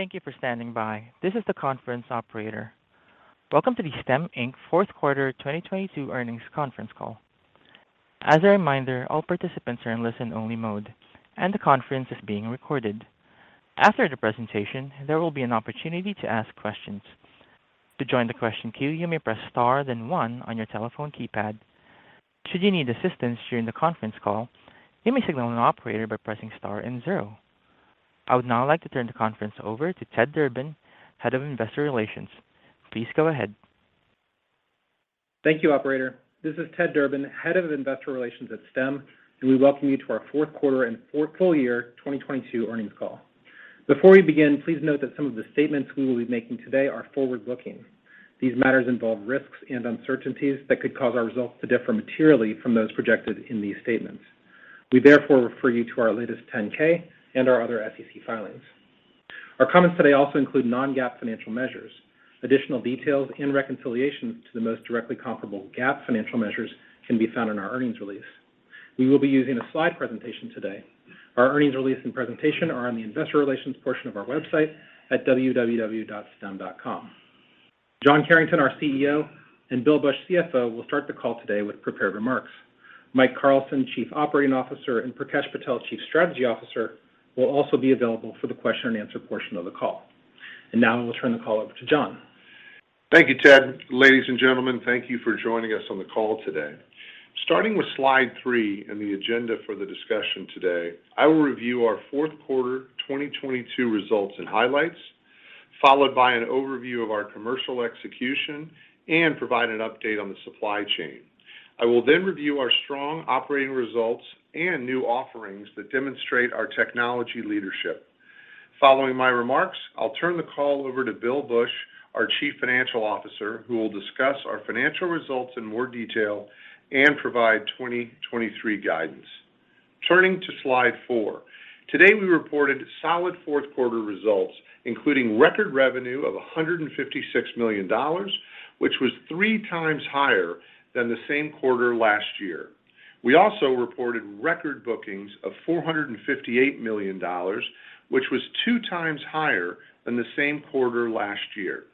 Thank you for standing by. This is the conference operator. Welcome to the Stem, Inc. fourth quarter 2022 earnings conference call. As a reminder, all participants are in listen only mode and the conference is being recorded. After the presentation, there will be an opportunity to ask questions. To join the question queue, you may press star then one on your telephone keypad. Should you need assistance during the conference call, you may signal an operator by pressing star and zero. I would now like to turn the conference over to Ted Durbin, Head of Investor Relations. Please go ahead. Thank you, operator. This is Ted Durbin, Head of Investor Relations at Stem, and we welcome you to our fourth quarter and fourth full year 2022 earnings call. Before we begin, please note that some of the statements we will be making today are forward-looking. These matters involve risks and uncertainties that could cause our results to differ materially from those projected in these statements. We therefore refer you to our latest 10-K and our other SEC filings. Our comments today also include Non-GAAP financial measures. Additional details and reconciliations to the most directly comparable GAAP financial measures can be found in our earnings release. We will be using a slide presentation today. Our earnings release and presentation are on the investor relations portion of our website at www.stem.com. John Carrington, our CEO, and Bill Bush, CFO, will start the call today with prepared remarks. Michael Carlson, Chief Operating Officer, and Prakash Patel, Chief Strategy Officer, will also be available for the question and answer portion of the call. Now I will turn the call over to John. Thank you, Ted. Ladies and gentlemen, thank you for joining us on the call today. Starting with slide 3 and the agenda for the discussion today, I will review our fourth quarter 2022 results and highlights, followed by an overview of our commercial execution and provide an update on the supply chain. I will then review our strong operating results and new offerings that demonstrate our technology leadership. Following my remarks, I'll turn the call over to Bill Bush, our Chief Financial Officer, who will discuss our financial results in more detail and provide 2023 guidance. Turning to slide 4. Today, we reported solid fourth quarter results, including record revenue of $156 million, which was 3 times higher than the same quarter last year. We also reported record bookings of $458 million, which was two times higher than the same quarter last year.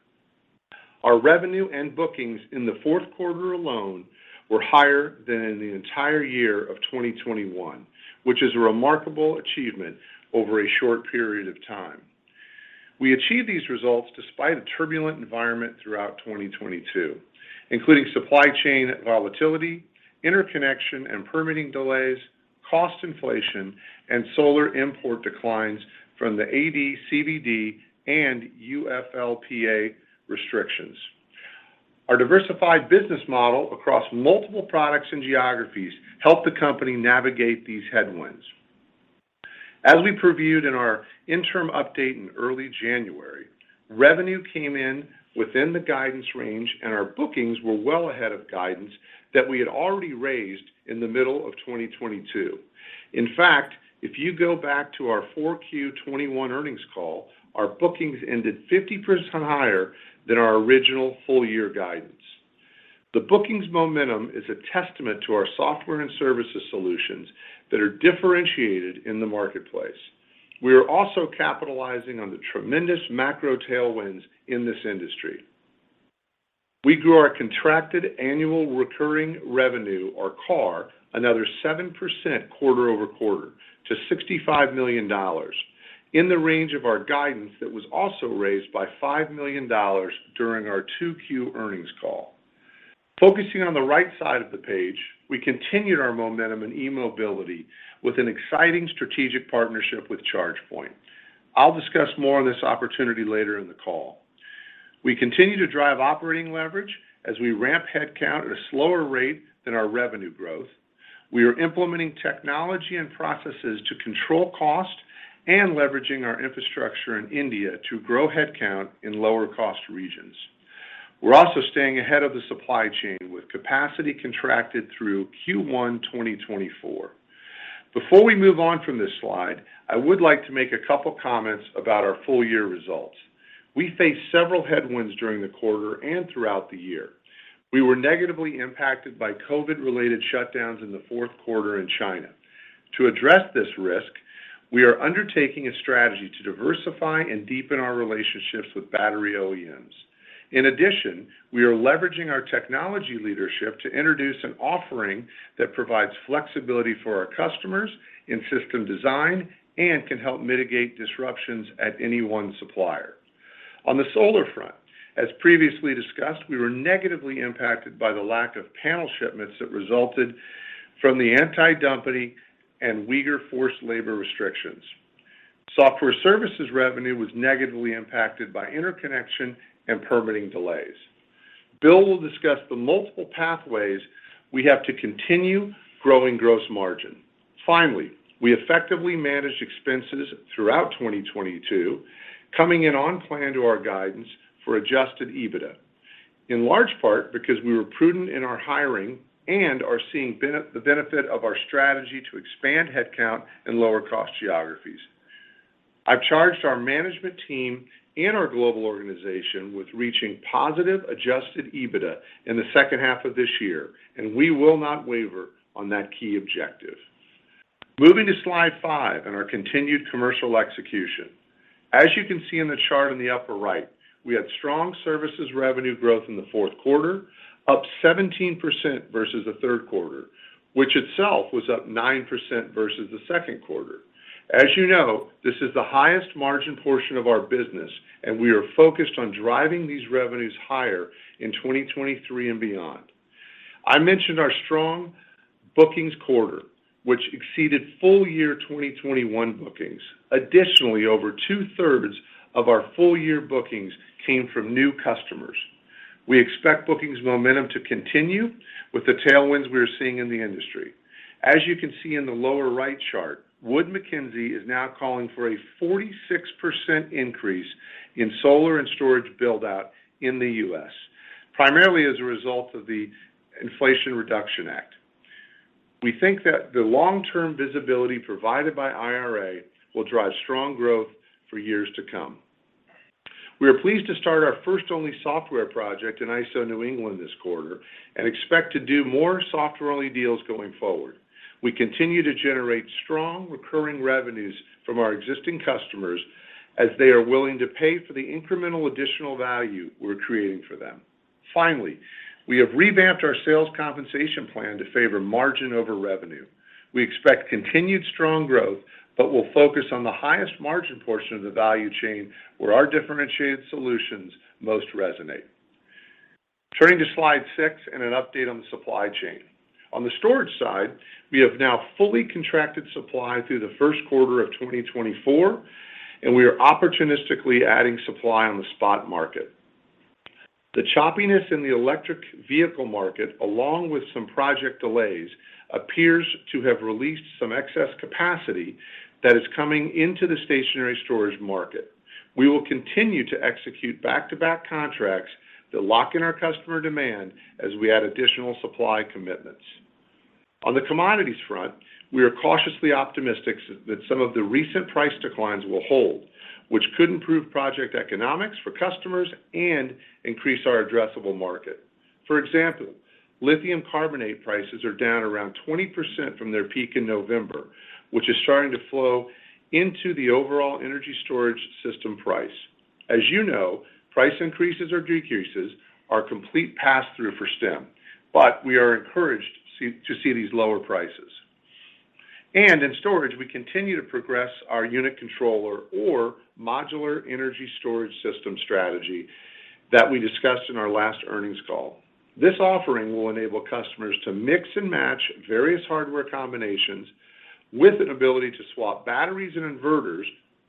Our revenue and bookings in the fourth quarter alone were higher than in the entire year of 2021, which is a remarkable achievement over a short period of time. We achieved these results despite a turbulent environment throughout 2022, including supply chain volatility, interconnection and permitting delays, cost inflation, and solar import declines from the AD/CVD and UFLPA restrictions. Our diversified business model across multiple products and geographies helped the company navigate these headwinds. As we previewed in our interim update in early January, revenue came in within the guidance range. Our bookings were well ahead of guidance that we had already raised in the middle of 2022. In fact, if you go back to our 4Q 2021 earnings call, our bookings ended 50% higher than our original full year guidance. The bookings momentum is a testament to our software and services solutions that are differentiated in the marketplace. We are also capitalizing on the tremendous macro tailwinds in this industry. We grew our contracted annual recurring revenue, or CARR, another 7% quarter-over-quarter to $65 million in the range of our guidance that was also raised by $5 million during our 2Q earnings call. Focusing on the right side of the page, we continued our momentum in eMobility with an exciting strategic partnership with ChargePoint. I'll discuss more on this opportunity later in the call. We continue to drive operating leverage as we ramp headcount at a slower rate than our revenue growth. We are implementing technology and processes to control cost and leveraging our infrastructure in India to grow headcount in lower cost regions. We're also staying ahead of the supply chain with capacity contracted through Q1 2024. Before we move on from this slide, I would like to make a couple comments about our full year results. We faced several headwinds during the quarter and throughout the year. We were negatively impacted by COVID-related shutdowns in the fourth quarter in China. To address this risk, we are undertaking a strategy to diversify and deepen our relationships with battery OEMs. In addition, we are leveraging our technology leadership to introduce an offering that provides flexibility for our customers in system design and can help mitigate disruptions at any one supplier. On the solar front, as previously discussed, we were negatively impacted by the lack of panel shipments that resulted from the Antidumping and Uyghur Forced Labor restrictions. Software services revenue was negatively impacted by interconnection and permitting delays. Bill will discuss the multiple pathways we have to continue growing gross margin. Finally, we effectively managed expenses throughout 2022, coming in on plan to our guidance for Adjusted EBITDA, in large part because we were prudent in our hiring and are seeing the benefit of our strategy to expand headcount in lower cost geographies. I've charged our management team and our global organization with reaching positive Adjusted EBITDA in the second half of this year, and we will not waver on that key objective. Moving to slide 5 and our continued commercial execution. You can see in the chart in the upper right, we had strong services revenue growth in the fourth quarter, up 17% versus the third quarter, which itself was up 9% versus the second quarter. You know, this is the highest margin portion of our business, we are focused on driving these revenues higher in 2023 and beyond. I mentioned our strong bookings quarter, which exceeded full year 2021 bookings. Additionally, over two-thirds of our full year bookings came from new customers. We expect bookings momentum to continue with the tailwinds we are seeing in the industry. You can see in the lower right chart, Wood Mackenzie is now calling for a 46% increase in solar and storage build-out in the U.S., primarily as a result of the Inflation Reduction Act. We think that the long-term visibility provided by IRA will drive strong growth for years to come. We are pleased to start our first only software project in ISO New England this quarter and expect to do more software-only deals going forward. We continue to generate strong recurring revenues from our existing customers as they are willing to pay for the incremental additional value we're creating for them. Finally, we have revamped our sales compensation plan to favor margin over revenue. We expect continued strong growth, but will focus on the highest margin portion of the value chain where our differentiated solutions most resonate. Turning to slide 6 and an update on the supply chain. On the storage side, we have now fully contracted supply through the first quarter of 2024, and we are opportunistically adding supply on the spot market. The choppiness in the electric vehicle market, along with some project delays, appears to have released some excess capacity that is coming into the stationary storage market. We will continue to execute back-to-back contracts that lock in our customer demand as we add additional supply commitments. On the commodities front, we are cautiously optimistic that some of the recent price declines will hold, which could improve project economics for customers and increase our addressable market. For example, lithium carbonate prices are down around 20% from their peak in November, which is starting to flow into the overall energy storage system price. As you know, price increases or decreases are complete pass-through for Stem, but we are encouraged to see these lower prices. In storage, we continue to progress our unit controller or Modular Energy Storage System strategy that we discussed in our last earnings call. This offering will enable customers to mix and match various hardware combinations with an ability to swap batteries and inverters,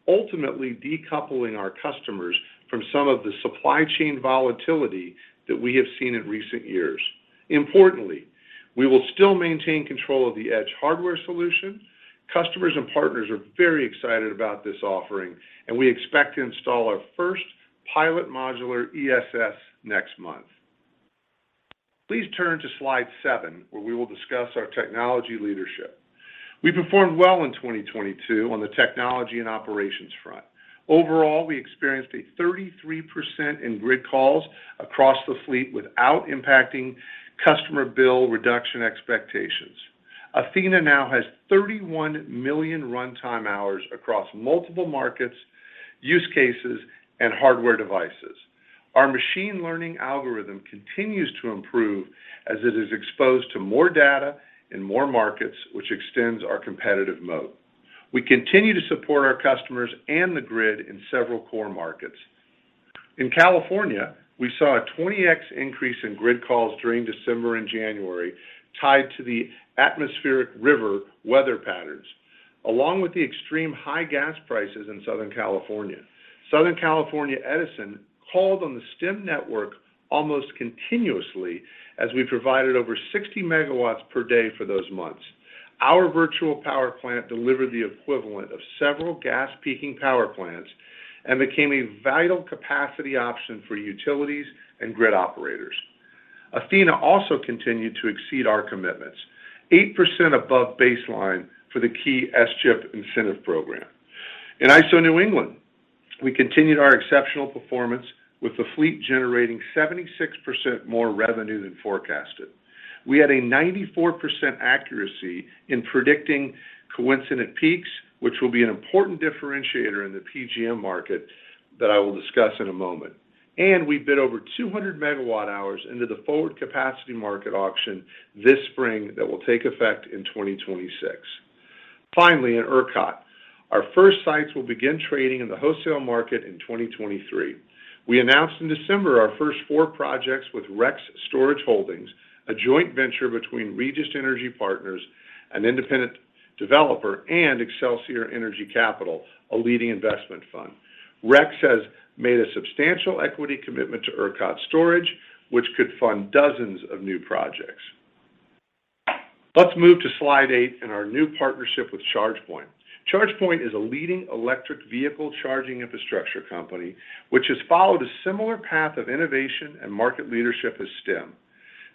ultimately decoupling our customers from some of the supply chain volatility that we have seen in recent years. Importantly, we will still maintain control of the Edge hardware solution. Customers and partners are very excited about this offering, and we expect to install our first pilot Modular ESS next month. Please turn to slide 7, where we will discuss our technology leadership. We performed well in 2022 on the technology and operations front. Overall, we experienced a 33% in grid calls across the fleet without impacting customer bill reduction expectations. Athena now has 31 million runtime hours across multiple markets, use cases, and hardware devices. Our machine learning algorithm continues to improve as it is exposed to more data and more markets, which extends our competitive moat. We continue to support our customers and the grid in several core markets. In California, we saw a 20x increase in grid calls during December and January tied to the atmospheric river weather patterns, along with the extreme high gas prices in Southern California. Southern California Edison called on the Stem network almost continuously as we provided over 60 megawatts per day for those months. Our virtual power plant delivered the equivalent of several gas peaking power plants and became a vital capacity option for utilities and grid operators. Athena also continued to exceed our commitments, 8% above baseline for the key SGIP incentive program. In ISO New England, we continued our exceptional performance with the fleet generating 76% more revenue than forecasted. We had a 94% accuracy in predicting coincident peaks, which will be an important differentiator in the PJM market that I will discuss in a moment. We bid over 200 MWh into the Forward Capacity Market auction this spring that will take effect in 2026. Finally, in ERCOT, our first sites will begin trading in the wholesale market in 2023. We announced in December our first four projects with REX Storage Holdings, a joint venture between Regis Energy Partners, an independent developer, and Excelsior Energy Capital, a leading investment fund. REX has made a substantial equity commitment to ERCOT Storage, which could fund dozens of new projects. Let's move to slide 8 and our new partnership with ChargePoint. ChargePoint is a leading electric vehicle charging infrastructure company, which has followed a similar path of innovation and market leadership as Stem.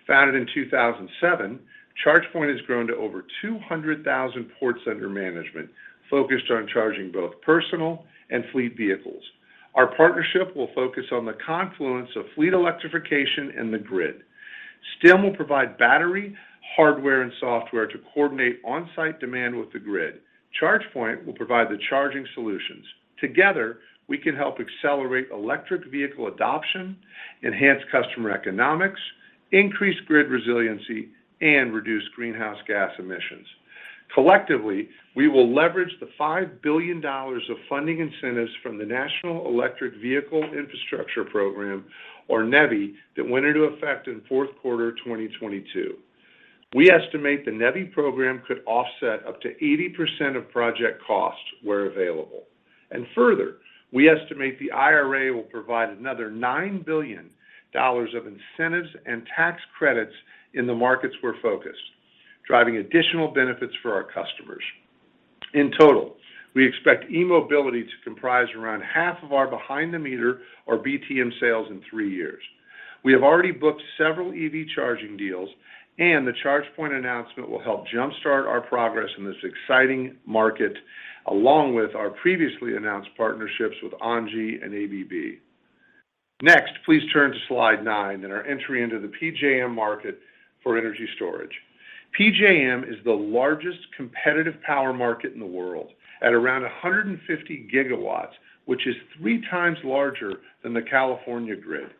Founded in 2007, ChargePoint has grown to over 200,000 ports under management, focused on charging both personal and fleet vehicles. Our partnership will focus on the confluence of fleet electrification and the grid. Stem will provide battery, hardware, and software to coordinate on-site demand with the grid. ChargePoint will provide the charging solutions. Together, we can help accelerate electric vehicle adoption, enhance customer economics, increase grid resiliency, and reduce greenhouse gas emissions. Collectively, we will leverage the $5 billion of funding incentives from the National Electric Vehicle Infrastructure program, or NEVI, that went into effect in fourth quarter of 2022. We estimate the NEVI program could offset up to 80% of project costs where available. Further, we estimate the IRA will provide another $9 billion of incentives and tax credits in the markets we're focused, driving additional benefits for our customers. In total, we expect eMobility to comprise around half of our behind-the-meter, or BTM, sales in three years. We have already booked several EV charging deals. The ChargePoint announcement will help jumpstart our progress in this exciting market, along with our previously announced partnerships with ONG and ABB. Please turn to slide 9 and our entry into the PJM market for energy storage. PJM is the largest competitive power market in the world at around 150 GW, which is three times larger than the California grid.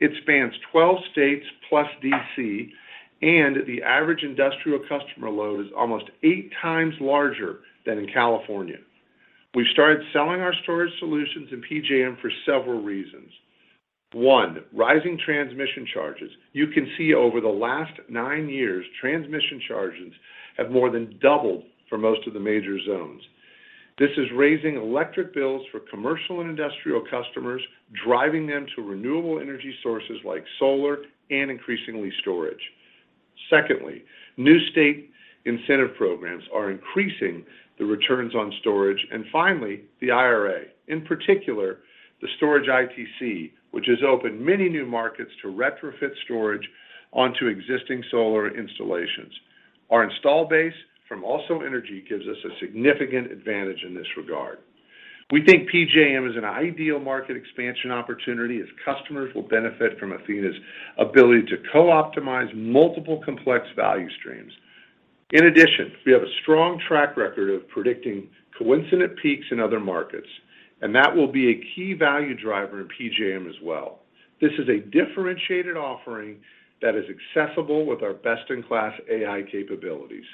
It spans 12 states plus D.C. The average industrial customer load is almost eight times larger than in California. We've started selling our storage solutions in PJM for several reasons. One, rising transmission charges. You can see over the last nine years, transmission charges have more than doubled for most of the major zones. This is raising electric bills for commercial and industrial customers, driving them to renewable energy sources like solar and increasingly storage. Secondly, new state incentive programs are increasing the returns on storage. Finally, the IRA, in particular, the storage ITC, which has opened many new markets to retrofit storage onto existing solar installations. Our install base from AlsoEnergy gives us a significant advantage in this regard. We think PJM is an ideal market expansion opportunity as customers will benefit from Athena's ability to co-optimize multiple complex value streams. In addition, we have a strong track record of predicting coincident peaks in other markets, and that will be a key value driver in PJM as well. This is a differentiated offering that is accessible with our best-in-class AI capabilities.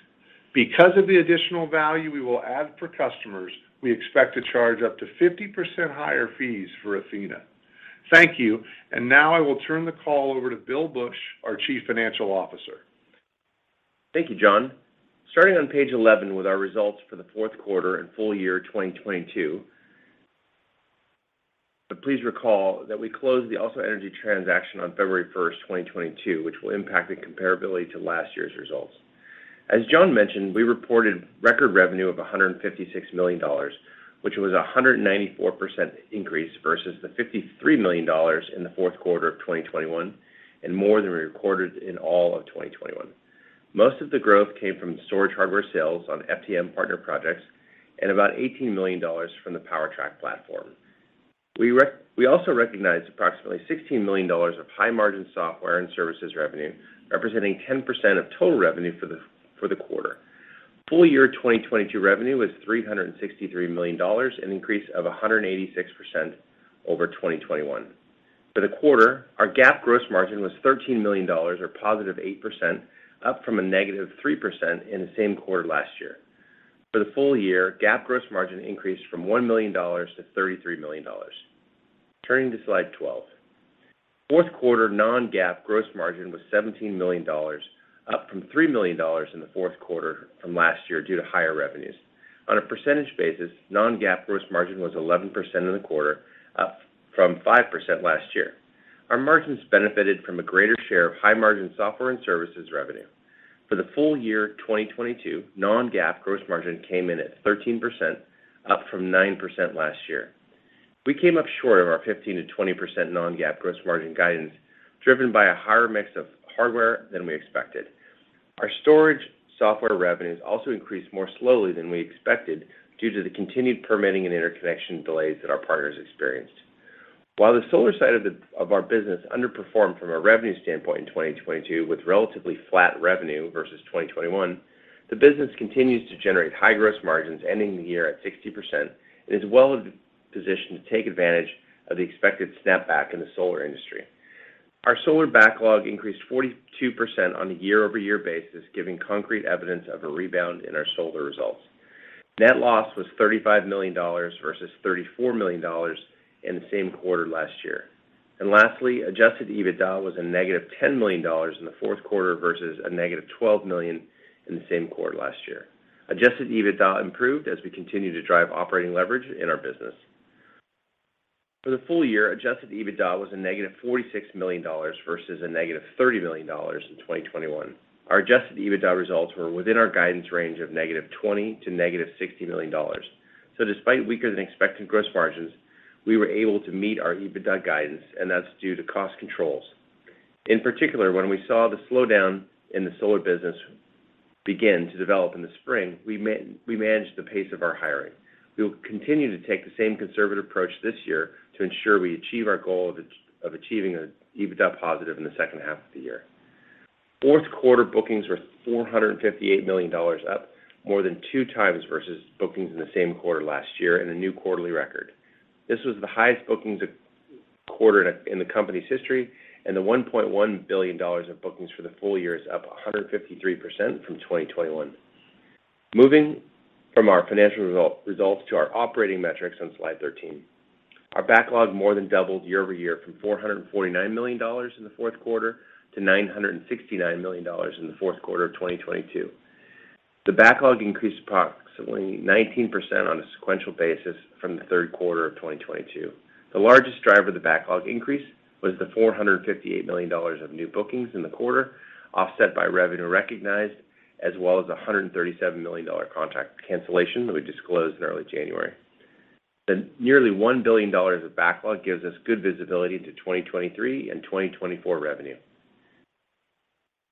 Because of the additional value we will add for customers, we expect to charge up to 50% higher fees for Athena. Thank you. Now I will turn the call over to Bill Bush, our Chief Financial Officer. Thank you, John. Starting on page 11 with our results for the fourth quarter and full year 2022. Please recall that we closed the AlsoEnergy transaction on February 1st, 2022, which will impact the comparability to last year's results. As John mentioned, we reported record revenue of $156 million, which was a 194% increase versus the $53 million in the fourth quarter of 2021, and more than we recorded in all of 2021. Most of the growth came from storage hardware sales on FTM partner projects and about $18 million from the PowerTrack platform. We also recognized approximately $16 million of high-margin software and services revenue, representing 10% of total revenue for the quarter. Full year 2022 revenue was $363 million, an increase of 186% over 2021. For the quarter, our GAAP gross margin was $13 million or +8%, up from a -3% in the same quarter last year. For the full year, GAAP gross margin increased from $1 million to $33 million. Turning to slide 12. Fourth quarter Non-GAAP gross margin was $17 million, up from $3 million in the fourth quarter from last year due to higher revenues. On a percentage basis, Non-GAAP gross margin was 11% in the quarter, up from 5% last year. Our margins benefited from a greater share of high-margin software and services revenue. For the full year 2022, Non-GAAP gross margin came in at 13%, up from 9% last year. We came up short of our 15%-20% Non-GAAP gross margin guidance, driven by a higher mix of hardware than we expected. Our storage software revenues also increased more slowly than we expected due to the continued permitting and interconnection delays that our partners experienced. While the solar side of our business underperformed from a revenue standpoint in 2022, with relatively flat revenue versus 2021, the business continues to generate high gross margins ending the year at 60% and is well positioned to take advantage of the expected snapback in the solar industry. Our solar backlog increased 42% on a year-over-year basis, giving concrete evidence of a rebound in our solar results. Net loss was $35 million versus $34 million in the same quarter last year. Lastly, Adjusted EBITDA was a negative $10 million in the fourth quarter versus a negative $12 million in the same quarter last year. Adjusted EBITDA improved as we continue to drive operating leverage in our business. For the full year, Adjusted EBITDA was a negative $46 million versus a negative $30 million in 2021. Our Adjusted EBITDA results were within our guidance range of negative $20 million to negative $60 million. Despite weaker than expected gross margins, we were able to meet our EBITDA guidance, and that's due to cost controls. In particular, when we saw the slowdown in the solar business begin to develop in the spring, we managed the pace of our hiring. We will continue to take the same conservative approach this year to ensure we achieve our goal of achieving an EBITDA positive in the second half of the year. fourth quarter bookings were $458 million, up more than two times versus bookings in the same quarter last year and a new quarterly record. This was the highest bookings quarter in the company's history. The $1.1 billion of bookings for the full year is up 153% from 2021. Moving from our financial results to our operating metrics on slide 13. Our backlog more than doubled year-over-year from $449 million in the fourth quarter to $969 million in the fourth quarter of 2022. The backlog increased approximately 19% on a sequential basis from the third quarter of 2022. The largest driver of the backlog increase was the $458 million of new bookings in the quarter, offset by revenue recognized, as well as a $137 million contract cancellation that we disclosed in early January. The nearly $1 billion of backlog gives us good visibility into 2023 and 2024 revenue.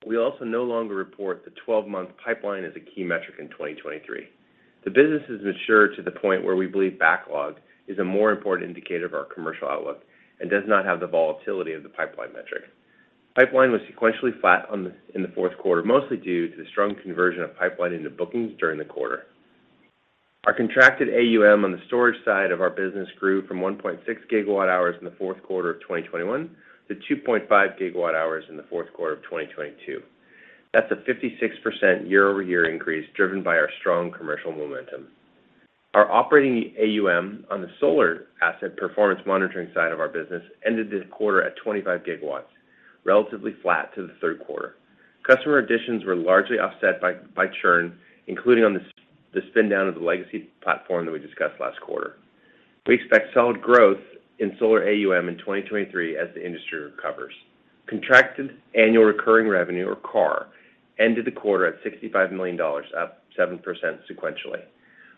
We also no longer report the 12-month pipeline as a key metric in 2023. The business has matured to the point where we believe backlog is a more important indicator of our commercial outlook and does not have the volatility of the pipeline metric. Pipeline was sequentially flat in the fourth quarter, mostly due to the strong conversion of pipeline into bookings during the quarter. Our contracted AUM on the storage side of our business grew from 1.6 GWh in the fourth quarter of 2021 to 2.5 GWh in the fourth quarter of 2022. That's a 56% year-over-year increase, driven by our strong commercial momentum. Our operating AUM on the solar asset performance monitoring side of our business ended the quarter at 25 GW, relatively flat to the third quarter. Customer additions were largely offset by churn, including on the spin down of the legacy platform that we discussed last quarter. We expect solid growth in solar AUM in 2023 as the industry recovers. Contracted annual recurring revenue, or CARR, ended the quarter at $65 million, up 7% sequentially.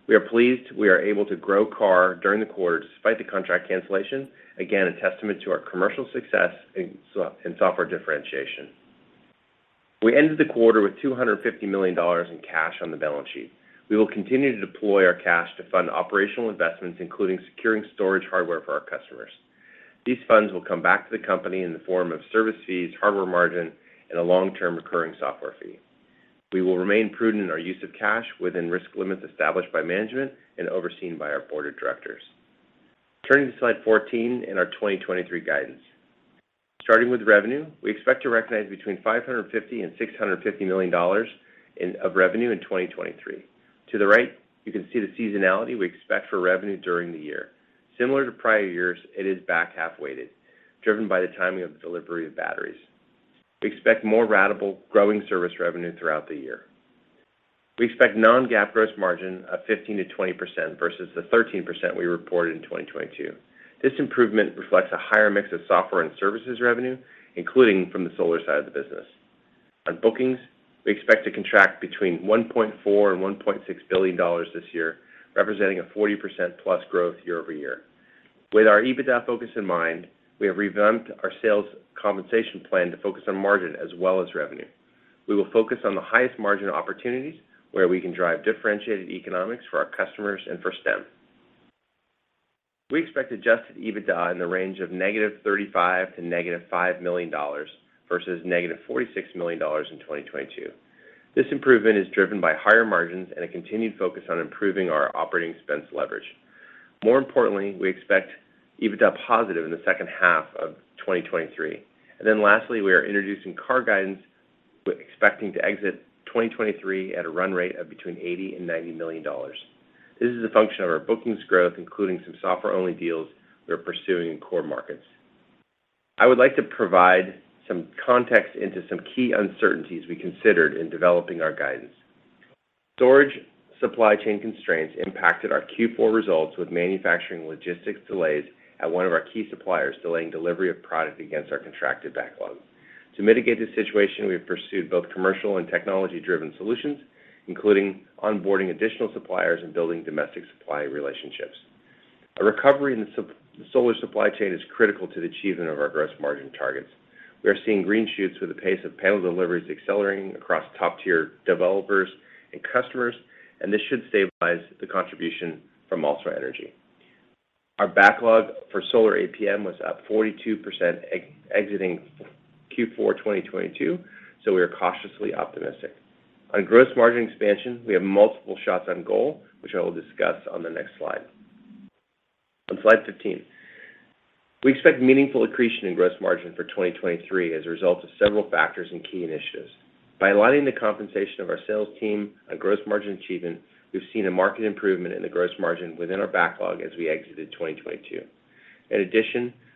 We are pleased we are able to grow CARR during the quarter despite the contract cancellation, again, a testament to our commercial success and software differentiation. We ended the quarter with $250 million in cash on the balance sheet. We will continue to deploy our cash to fund operational investments, including securing storage hardware for our customers. These funds will come back to the company in the form of service fees, hardware margin, and a long-term recurring software fee. We will remain prudent in our use of cash within risk limits established by management and overseen by our board of directors. Turning to slide 14 and our 2023 guidance. Starting with revenue, we expect to recognize between $550 million-$650 million of revenue in 2023. To the right, you can see the seasonality we expect for revenue during the year. Similar to prior years, it is back half-weighted, driven by the timing of the delivery of batteries. We expect more ratable growing service revenue throughout the year. We expect Non-GAAP gross margin of 15%-20% versus the 13% we reported in 2022. This improvement reflects a higher mix of software and services revenue, including from the solar side of the business. On bookings, we expect to contract between $1.4 billion and $1.6 billion this year, representing a 40%+ growth year-over-year. With our EBITDA focus in mind, we have revamped our sales compensation plan to focus on margin as well as revenue. We will focus on the highest margin opportunities where we can drive differentiated economics for our customers and for Stem. We expect Adjusted EBITDA in the range of -$35 million to -$5 million, versus -$46 million in 2022. This improvement is driven by higher margins and a continued focus on improving our operating expense leverage. More importantly, we expect EBITDA positive in the second half of 2023. Lastly, we are introducing CARR guidance. We're expecting to exit 2023 at a run rate of between $80 million and $90 million. This is a function of our bookings growth, including some software-only deals we are pursuing in core markets. I would like to provide some context into some key uncertainties we considered in developing our guidance. Storage supply chain constraints impacted our Q4 results with manufacturing logistics delays at one of our key suppliers delaying delivery of product against our contracted backlog. To mitigate this situation, we have pursued both commercial and technology-driven solutions, including onboarding additional suppliers and building domestic supply relationships. A recovery in the solar supply chain is critical to the achievement of our gross margin targets. We are seeing green shoots with the pace of panel deliveries accelerating across top-tier developers and customers, and this should stabilize the contribution from AlsoEnergy. Our backlog for solar APM was up 42% exiting Q4 2022, so we are cautiously optimistic. On gross margin expansion, we have multiple shots on goal, which I will discuss on the next slide. On slide 15, we expect meaningful accretion in gross margin for 2023 as a result of several factors and key initiatives. By aligning the compensation of our sales team on gross margin achievement, we've seen a market improvement in the gross margin within our backlog as we exited 2022.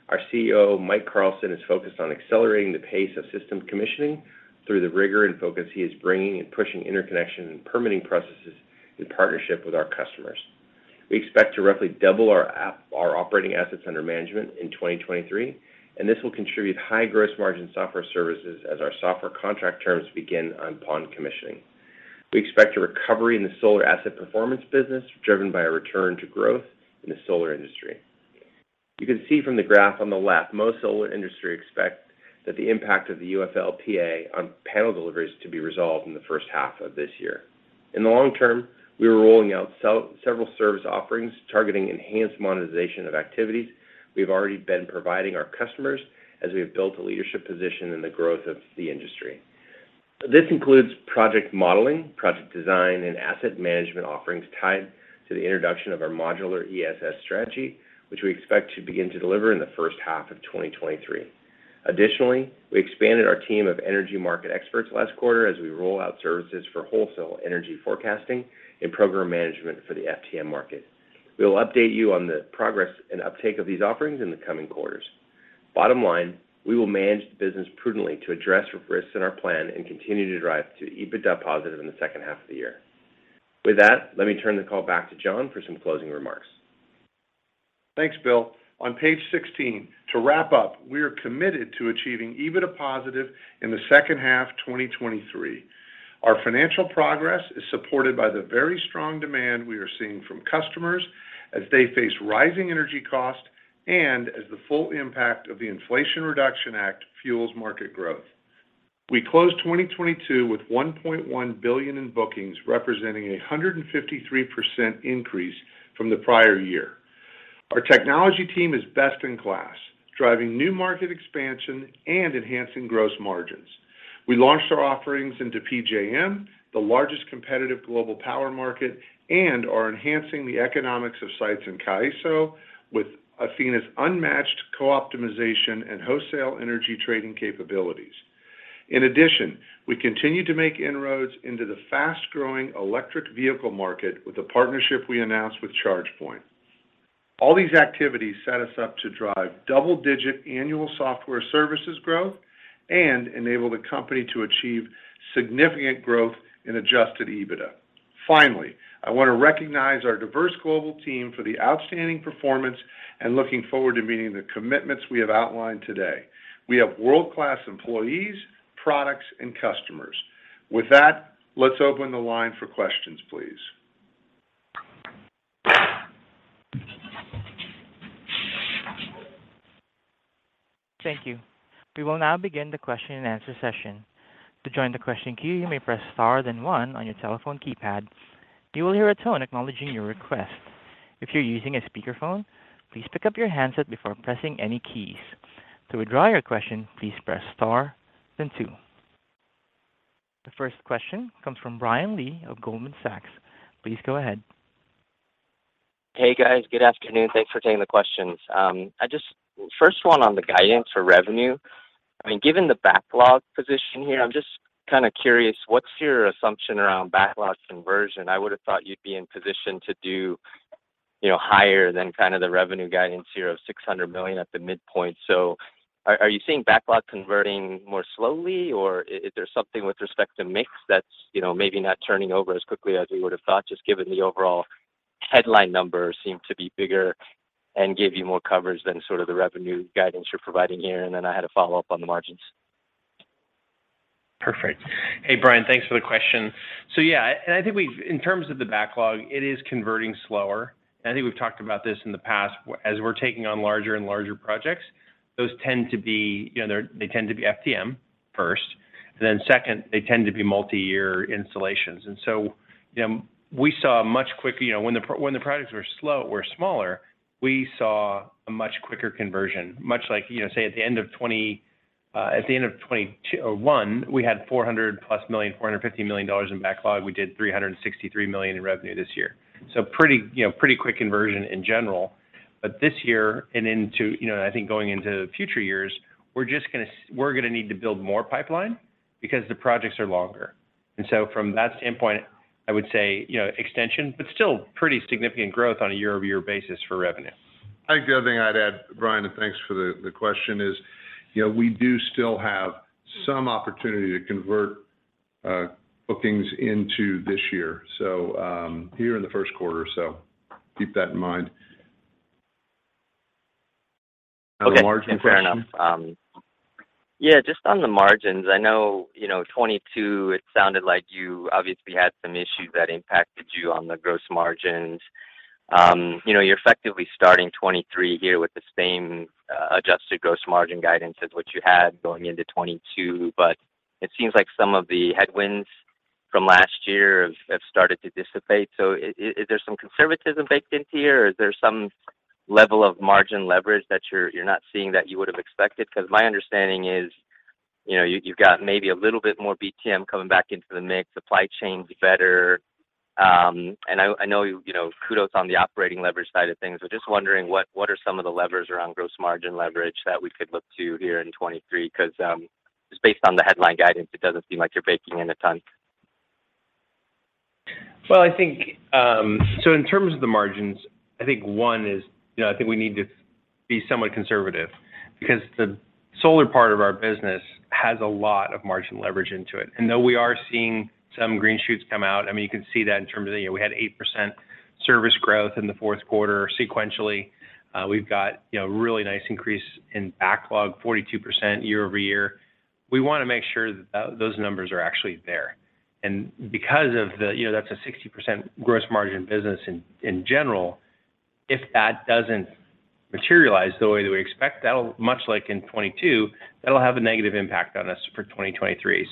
Our CEO, Michael Carlson, is focused on accelerating the pace of system commissioning through the rigor and focus he is bringing in pushing interconnection and permitting processes in partnership with our customers. We expect to roughly double our operating assets under management in 2023, this will contribute high gross margin software services as our software contract terms begin upon commissioning. We expect a recovery in the solar asset performance business, driven by a return to growth in the solar industry. You can see from the graph on the left, most solar industry expect that the impact of the UFLPA on panel deliveries to be resolved in the first half of this year. In the long term, we are rolling out several service offerings targeting enhanced monetization of activities we've already been providing our customers as we have built a leadership position in the growth of the industry. This includes project modeling, project design, and asset management offerings tied to the introduction of our Modular ESS strategy, which we expect to begin to deliver in the first half of 2023. Additionally, we expanded our team of energy market experts last quarter as we roll out services for wholesale energy forecasting and program management for the FTM market. We will update you on the progress and uptake of these offerings in the coming quarters. Bottom line, we will manage the business prudently to address risks in our plan and continue to drive to EBITDA positive in the second half of the year. With that, let me turn the call back to John for some closing remarks. Thanks, Bill. On page 16, to wrap up, we are committed to achieving EBITDA positive in the second half 2023. Our financial progress is supported by the very strong demand we are seeing from customers as they face rising energy costs and as the full impact of the Inflation Reduction Act fuels market growth. We closed 2022 with $1.1 billion in bookings, representing a 153% increase from the prior year. Our technology team is best in class, driving new market expansion and enhancing gross margins. We launched our offerings into PJM, the largest competitive global power market, and are enhancing the economics of sites in CAISO with Athena's unmatched co-optimization and wholesale energy trading capabilities. We continue to make inroads into the fast-growing electric vehicle market with a partnership we announced with ChargePoint. All these activities set us up to drive double-digit annual software services growth and enable the company to achieve significant growth in Adjusted EBITDA. Finally, I want to recognize our diverse global team for the outstanding performance and looking forward to meeting the commitments we have outlined today. We have world-class employees, products, and customers. With that, let's open the line for questions, please. Thank you. We will now begin the question and answer session. To join the question queue, you may press star then one on your telephone keypad. You will hear a tone acknowledging your request. If you're using a speakerphone, please pick up your handset before pressing any keys. To withdraw your question, please press star then two. The first question comes from Brian Lee of Goldman Sachs. Please go ahead. Hey, guys. Good afternoon. Thanks for taking the questions. First one on the guidance for revenue. I mean, given the backlog position here, I'm just kind of curious, what's your assumption around backlog conversion? I would have thought you'd be in position to do, you know, higher than kind of the revenue guidance here of $600 million at the midpoint. Are you seeing backlog converting more slowly, or is there something with respect to mix that's, you know, maybe not turning over as quickly as we would have thought, just given the overall headline numbers seem to be bigger and give you more coverage than sort of the revenue guidance you're providing here? I had a follow-up on the margins. Perfect. Hey, Brian, thanks for the question. Yeah, I think in terms of the backlog, it is converting slower, and I think we've talked about this in the past. As we're taking on larger and larger projects, those tend to be, you know, they tend to be FTM first. Then second, they tend to be multi-year installations. You know, we saw a much quicker... You know, when the projects were slow or smaller, we saw a much quicker conversion, much like, you know, say at the end of 2021, we had $400+ million, $450 million in backlog. We did $363 million in revenue this year. Pretty, you know, pretty quick conversion in general. This year and into, you know, I think going into future years, we're just gonna need to build more pipeline because the projects are longer. From that standpoint, I would say, you know, extension, but still pretty significant growth on a year-over-year basis for revenue. I think the other thing I'd add, Brian, and thanks for the question, is, you know, we do still have some opportunity to convert bookings into this year. So here in the first quarter, so keep that in mind. Now the margin question. Okay. Fair enough. Yeah, just on the margins, I know, you know, 2022, it sounded like you obviously had some issues that impacted you on the gross margins. You know, you're effectively starting 2023 here with the same adjusted gross margin guidance as what you had going into 2022, but it seems like some of the headwinds from last year have started to dissipate. Is there some conservatism baked into here, or is there some level of margin leverage that you're not seeing that you would have expected? Because my understanding is, you know, you've got maybe a little bit more BTM coming back into the mix, supply chain's better. I know, you know, kudos on the operating leverage side of things. I'm just wondering what are some of the levers around gross margin leverage that we could look to here in 2023, because just based on the headline guidance, it doesn't seem like you're baking in a ton. Well, I think, in terms of the margins, I think one is, you know, I think we need to be somewhat conservative because the solar part of our business has a lot of margin leverage into it. Though we are seeing some green shoots come out, I mean, you can see that in terms of, you know, we had 8% service growth in the fourth quarter sequentially. We've got, you know, really nice increase in backlog, 42% year-over-year. We want to make sure that those numbers are actually there. Because of the, you know, that's a 60% gross margin business in general, if that doesn't materialize the way that we expect, that'll much like in 2022, that'll have a negative impact on us for 2023.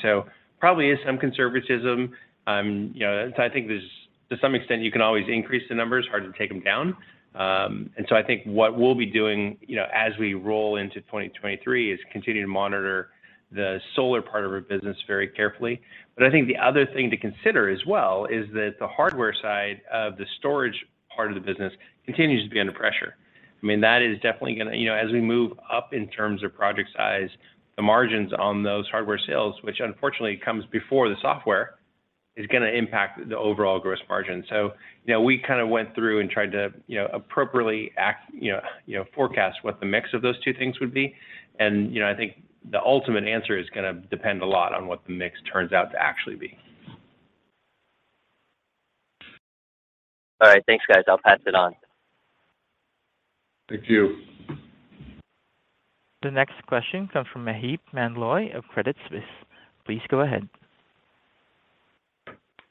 Probably is some conservatism. You know, I think there's to some extent, you can always increase the numbers, hard to take them down. I think what we'll be doing, you know, as we roll into 2023 is continue to monitor the solar part of our business very carefully. I think the other thing to consider as well is that the hardware side of the storage part of the business continues to be under pressure. I mean, that is definitely gonna. You know, as we move up in terms of project size, the margins on those hardware sales, which unfortunately comes before the software, is gonna impact the overall gross margin. You know, we kind of went through and tried to, you know, appropriately act, forecast what the mix of those two things would be. You know, I think the ultimate answer is going to depend a lot on what the mix turns out to actually be. All right. Thanks, guys. I'll pass it on. Thank you. The next question comes from Maheep Mandloi of Credit Suisse. Please go ahead.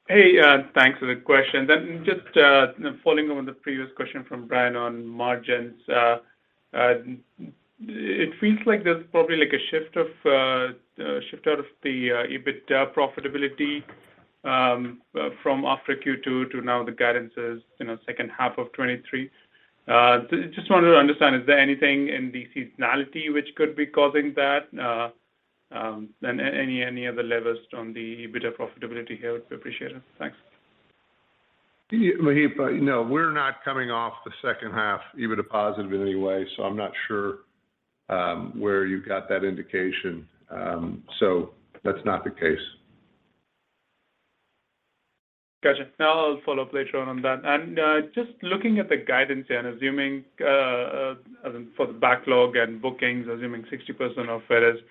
Hey, thanks for the question. Just following up on the previous question from Brian on margins, it feels like there's probably like a shift out of the EBITDA profitability from after Q2 to now the guidance is, you know, second half of 2023. Just wanted to understand, is there anything in the seasonality which could be causing that? And any other levers on the EBITDA profitability here, would be appreciated. Thanks. Maheep, no, we're not coming off the second half EBITDA positive in any way, so I'm not sure where you got that indication. That's not the case. Gotcha. Now I'll follow up later on that. Just looking at the guidance and assuming, I mean, for the backlog and bookings, assuming 60% of it is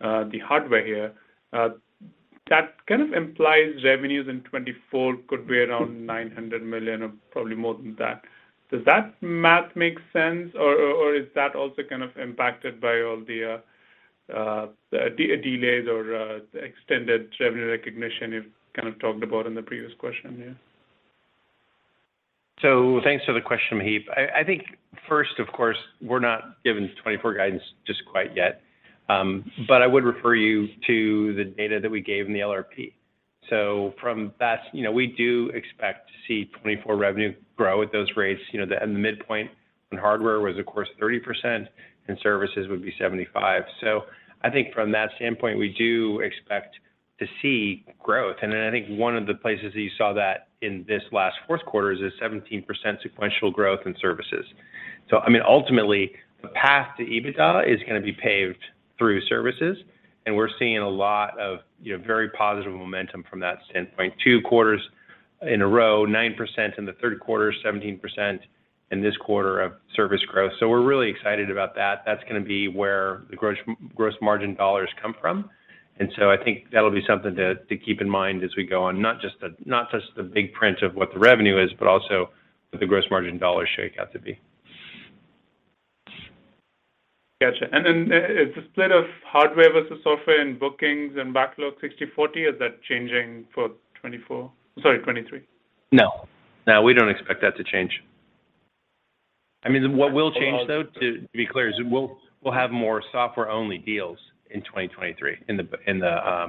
the hardware here, that kind of implies revenues in 2024 could be around $900 million or probably more than that. Does that math make sense, or is that also kind of impacted by all the delays or extended revenue recognition you've kind of talked about in the previous question here? Thanks for the question, Maheep. I think first, of course, we're not giving 2024 guidance just quite yet. But I would refer you to the data that we gave in the LRP. From that, you know, we do expect to see 2024 revenue grow at those rates. And the midpoint on hardware was of course 30% and services would be 75%. I think from that standpoint, we do expect to see growth. And then I think one of the places that you saw that in this last fourth quarter is a 17% sequential growth in services. I mean, ultimately, the path to EBITDA is gonna be paved through services, and we're seeing a lot of, you know, very positive momentum from that standpoint. Two quarters in a row, 9% in the third quarter, 17% in this quarter of service growth. We're really excited about that. That's gonna be where the gross margin dollars come from. I think that'll be something to keep in mind as we go on, not just the big print of what the revenue is, but also what the gross margin dollar shake out to be. Gotcha. Then, the split of hardware versus software in bookings and backlog, 60/40, is that changing for 2024? Sorry, 2023? No. No, we don't expect that to change. I mean, what will change, though, to be clear, is we'll have more software-only deals in 2023 in the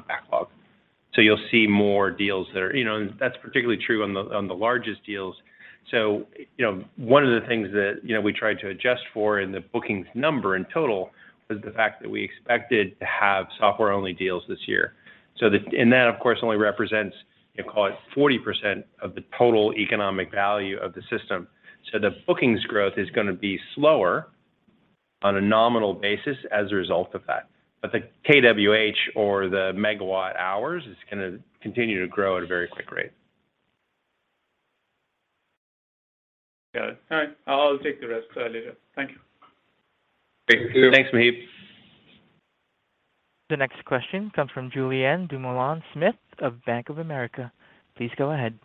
backlog. You'll see more deals that are... You know, and that's particularly true on the, on the largest deals. You know, one of the things that, you know, we tried to adjust for in the bookings number in total was the fact that we expected to have software-only deals this year. And that, of course, only represents, you know, call it 40% of the total economic value of the system. The bookings growth is gonna be slower on a nominal basis as a result of that. The kWh or the megawatt hours is gonna continue to grow at a very quick rate. Got it. All right. I'll take the rest later. Thank you. Thank you. Thanks, Maheep. The next question comes from Julien Dumoulin-Smith of Bank of America. Please go ahead.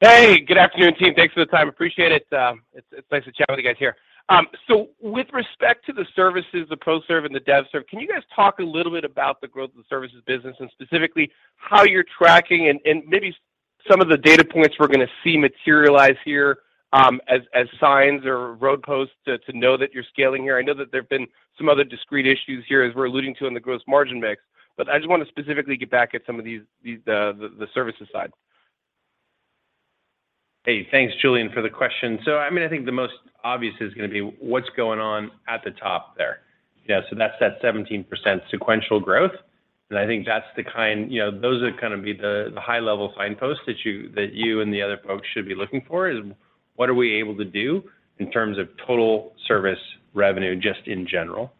Hey, good afternoon, team. Thanks for the time. Appreciate it. It's nice to chat with you guys here. With respect to the services, the ProServ and the DevServ, can you guys talk a little bit about the growth of the services business and specifically how you're tracking and maybe some of the data points we're gonna see materialize here as signs or roadposts to know that you're scaling here? I know that there have been some other discrete issues here as we're alluding to in the gross margin mix, but I just wanna specifically get back at some of these, the services side. Hey, thanks, Julien, for the question. I mean, I think the most obvious is gonna be what's going on at the top there. You know, that's that 17% sequential growth. I think that's the kind, you know, those are gonna be the high level signposts that you and the other folks should be looking for, is what are we able to do in terms of total service revenue just in general.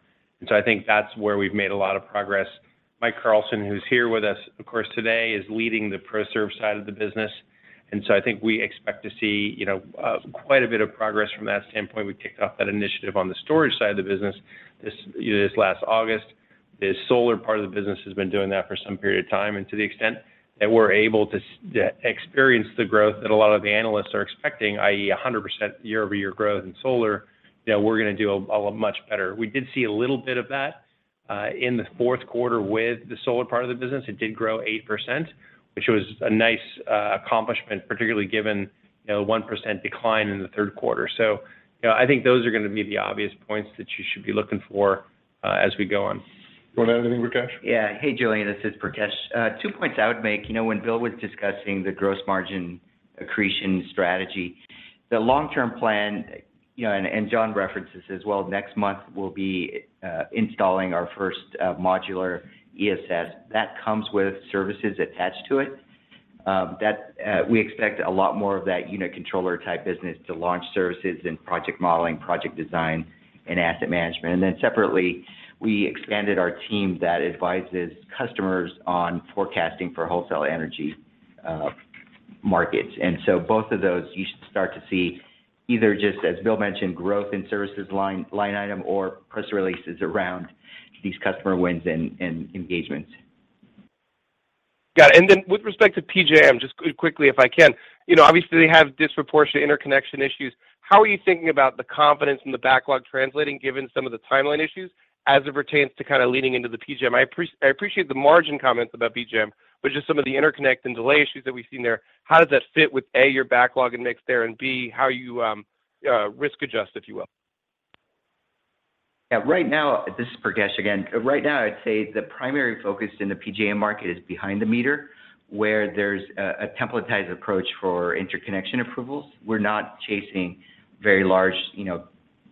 I think that's where we've made a lot of progress. Michael Carlson, who's here with us, of course, today, is leading the ProServ side of the business. I think we expect to see, you know, quite a bit of progress from that standpoint. We kicked off that initiative on the storage side of the business this, you know, this last August. The solar part of the business has been doing that for some period of time. And to the extent that we're able to experience the growth that a lot of the analysts are expecting, i.e., 100% year-over-year growth in solar. You know, we're gonna do a lot much better. We did see a little bit of that in the fourth quarter with the solar part of the business. It did grow 8%, which was a nice accomplishment, particularly given, you know, 1% decline in the third quarter. So, you know, I think those are gonna be the obvious points that you should be looking for as we go on. You want to add anything, Prakash? Yeah. Hey, Julien. This is Prakash. Two points I would make. You know, when Bill was discussing the gross margin accretion strategy, the long-term plan, you know, and John referenced this as well, next month we'll be installing our first Modular ESS. That comes with services attached to it, that we expect a lot more of that unit controller-type business to launch services and project modeling, project design, and asset management. Separately, we expanded our team that advises customers on forecasting for wholesale energy markets. Both of those, you should start to see either just, as Bill mentioned, growth in services line item or press releases around these customer wins and engagements. Got it. Then with respect to PJM, just quickly if I can. You know, obviously they have disproportionate interconnection issues. How are you thinking about the confidence in the backlog translating given some of the timeline issues as it pertains to kind of leaning into the PJM? I appreciate the margin comments about PJM, but just some of the interconnect and delay issues that we've seen there, how does that fit with, A, your backlog and mix there, and B, how you risk adjust, if you will? This is Prakash again. Right now, I'd say the primary focus in the PJM market is behind the meter, where there's a templatized approach for interconnection approvals. We're not chasing very large, you know,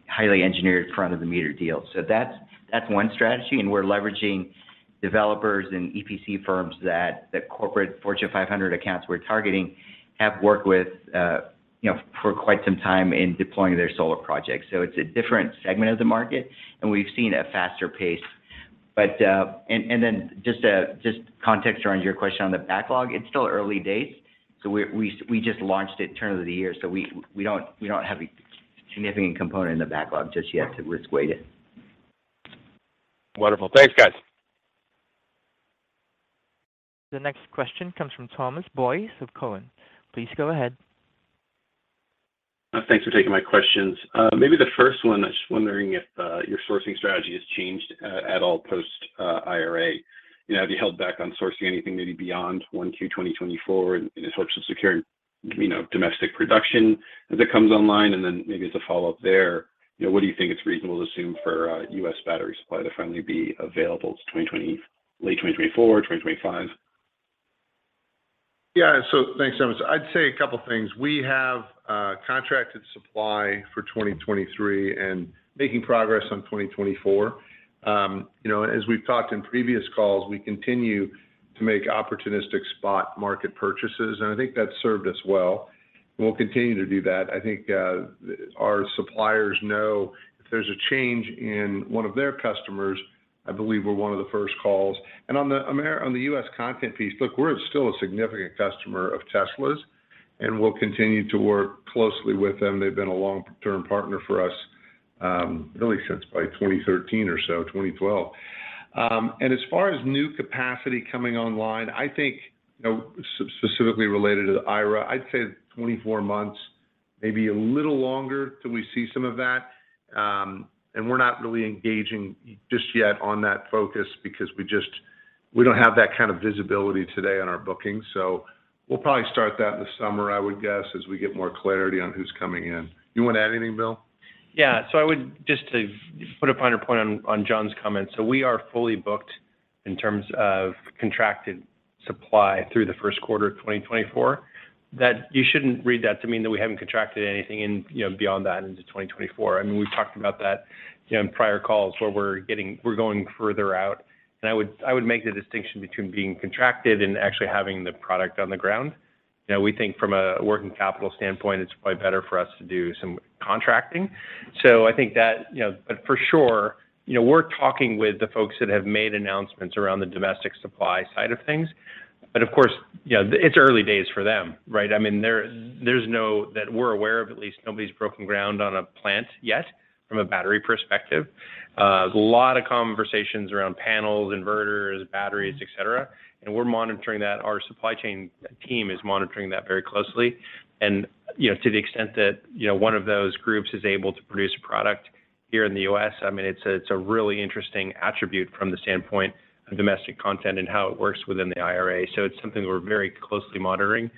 highly engineered front-of-the-meter deals. That's one strategy, and we're leveraging developers and EPC firms that corporate Fortune 500 accounts we're targeting have worked with, you know, for quite some time in deploying their solar projects. It's a different segment of the market, and we've seen a faster pace. And then just context around your question on the backlog. It's still early days. We just launched it turn of the year, we don't have a significant component in the backlog just yet to risk weight it. Wonderful. Thanks, guys. The next question comes from Thomas Boyes of Cowen. Please go ahead. Thanks for taking my questions. Maybe the first one, I was wondering if your sourcing strategy has changed at all post-IRA. You know, have you held back on sourcing anything maybe beyond 1Q 2024 in a source of securing, you know, domestic production as it comes online? Maybe as a follow-up there, you know, what do you think it's reasonable to assume for U.S. battery supply to finally be available? It's late 2024, 2025. Thanks, Thomas. I'd say a couple things. We have contracted supply for 2023 and making progress on 2024. You know, as we've talked in previous calls, we continue to make opportunistic spot market purchases, I think that's served us well. We'll continue to do that. I think our suppliers know if there's a change in one of their customers, I believe we're one of the first calls. On the U.S. content piece, look, we're still a significant customer of Tesla's, we'll continue to work closely with them. They've been a long-term partner for us, really since probably 2013 or so, 2012. As far as new capacity coming online, I think, you know, specifically related to the IRA, I'd say 24 months, maybe a little longer till we see some of that. We're not really engaging just yet on that focus because we don't have that kind of visibility today on our bookings. We'll probably start that in the summer, I would guess, as we get more clarity on who's coming in. You want to add anything, Bill? Just to put a finer point on John's comments. We are fully booked in terms of contracted supply through the first quarter of 2024. You shouldn't read that to mean that we haven't contracted anything in, you know, beyond that into 2024. I mean, we've talked about that, you know, in prior calls, where we're going further out. I would make the distinction between being contracted and actually having the product on the ground. You know, we think from a working capital standpoint, it's probably better for us to do some contracting. For sure, you know, we're talking with the folks that have made announcements around the domestic supply side of things. Of course, you know, it's early days for them, right? I mean, there's no, that we're aware of at least, nobody's broken ground on a plant yet from a battery perspective. A lot of conversations around panels, inverters, batteries, et cetera. We're monitoring that. Our supply chain team is monitoring that very closely. You know, to the extent that, you know, one of those groups is able to produce a product here in the U.S., I mean, it's a, it's a really interesting attribute from the standpoint of domestic content and how it works within the IRA. It's something we're very closely monitoring.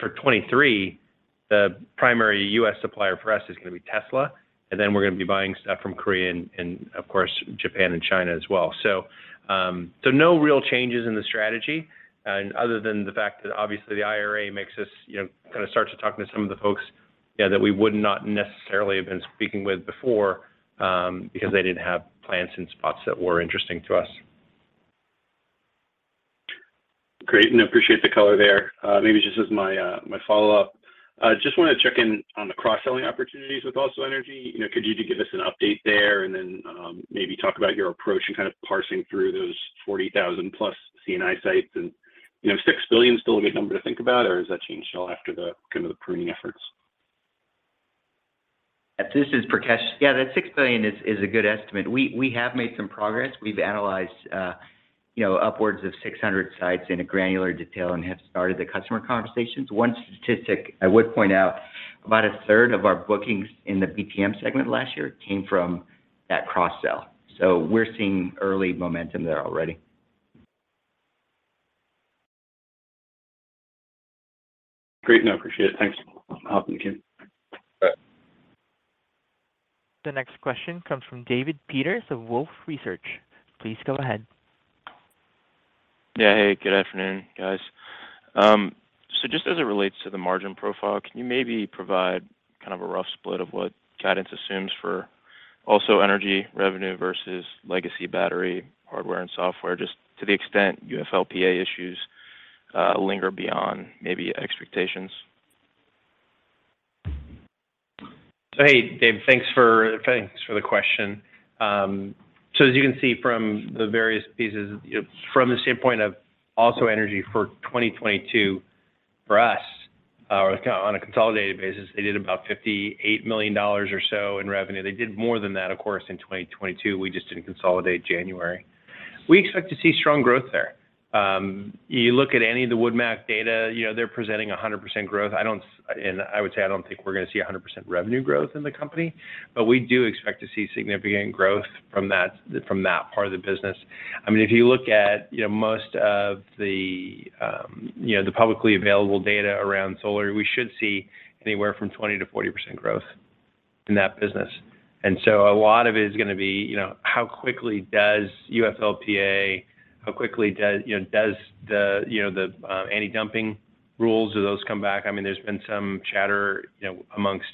For 23, the primary U.S. supplier for us is gonna be Tesla, and then we're gonna be buying stuff from Korea and of course, Japan and China as well. No real changes in the strategy, other than the fact that obviously the IRA makes us, you know, kind of start to talk to some of the folks, you know, that we would not necessarily have been speaking with before, because they didn't have plants in spots that were interesting to us. Great, appreciate the color there. Maybe just as my follow-up, just wanna check in on the cross-selling opportunities with AlsoEnergy. You know, could you just give us an update there and then maybe talk about your approach in kind of parsing through those 40,000+ C&I sites? You know, $6 billion still a good number to think about, or has that changed at all after the kind of the pruning efforts? This is Prakash. Yeah, that $6 billion is a good estimate. We have made some progress. We've analyzed, you know, upwards of 600 sites in a granular detail and have started the customer conversations. One statistic I would point out, about a third of our bookings in the BTM segment last year came from that cross-sell. We're seeing early momentum there already. Great. No, appreciate it. Thanks. Welcome again. All right. The next question comes from David Peters of Wolfe Research. Please go ahead. Yeah. Hey, good afternoon, guys. Just as it relates to the margin profile, can you maybe provide kind of a rough split of what guidance assumes for AlsoEnergy revenue versus legacy battery hardware and software, just to the extent UFLPA issues linger beyond maybe expectations? Hey, Dave. Thanks for the question. As you can see from the various pieces, from the standpoint of AlsoEnergy for 2022, for us, on a consolidated basis, they did about $58 million or so in revenue. They did more than that, of course, in 2022. We just didn't consolidate January. We expect to see strong growth there. You look at any of the WoodMac data, you know, they're presenting a 100% growth. I would say I don't think we're gonna see a 100% revenue growth in the company, but we do expect to see significant growth from that part of the business. I mean, if you look at, you know, most of the, you know, the publicly available data around solar, we should see anywhere from 20%-40% growth in that business. A lot of it is gonna be, you know, how quickly does UFLPA, how quickly does, you know, does the, you know, the anti-dumping rules, do those come back? I mean, there's been some chatter, you know, amongst,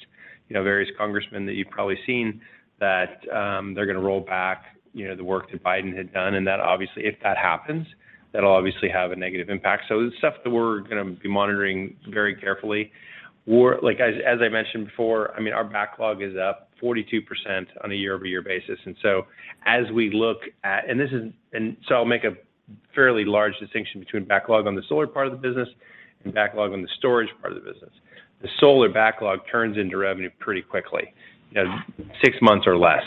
you know, various congressmen that you've probably seen that they're gonna roll back, you know, the work that Biden had done. That obviously, if that happens, that'll obviously have a negative impact. It's stuff that we're gonna be monitoring very carefully. Like, as I mentioned before, I mean, our backlog is up 42% on a year-over-year basis. As we look at... I'll make a fairly large distinction between backlog on the solar part of the business and backlog on the storage part of the business. The solar backlog turns into revenue pretty quickly. You know, six months or less,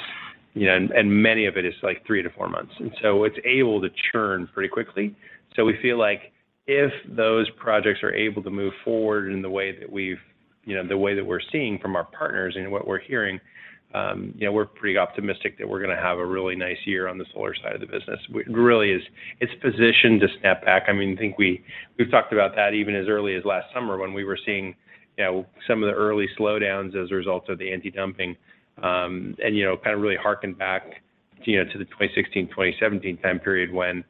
you know. Many of it is, like, 3-4 months. It's able to churn pretty quickly. We feel like if those projects are able to move forward in the way that we've, you know, the way that we're seeing from our partners and what we're hearing, you know, we're pretty optimistic that we're gonna have a really nice year on the solar side of the business. It's positioned to snap back. I mean, I think we've talked about that even as early as last summer when we were seeing, you know, some of the early slowdowns as a result of the anti-dumping, and kind of really hearken back to the 2016, 2017 time period when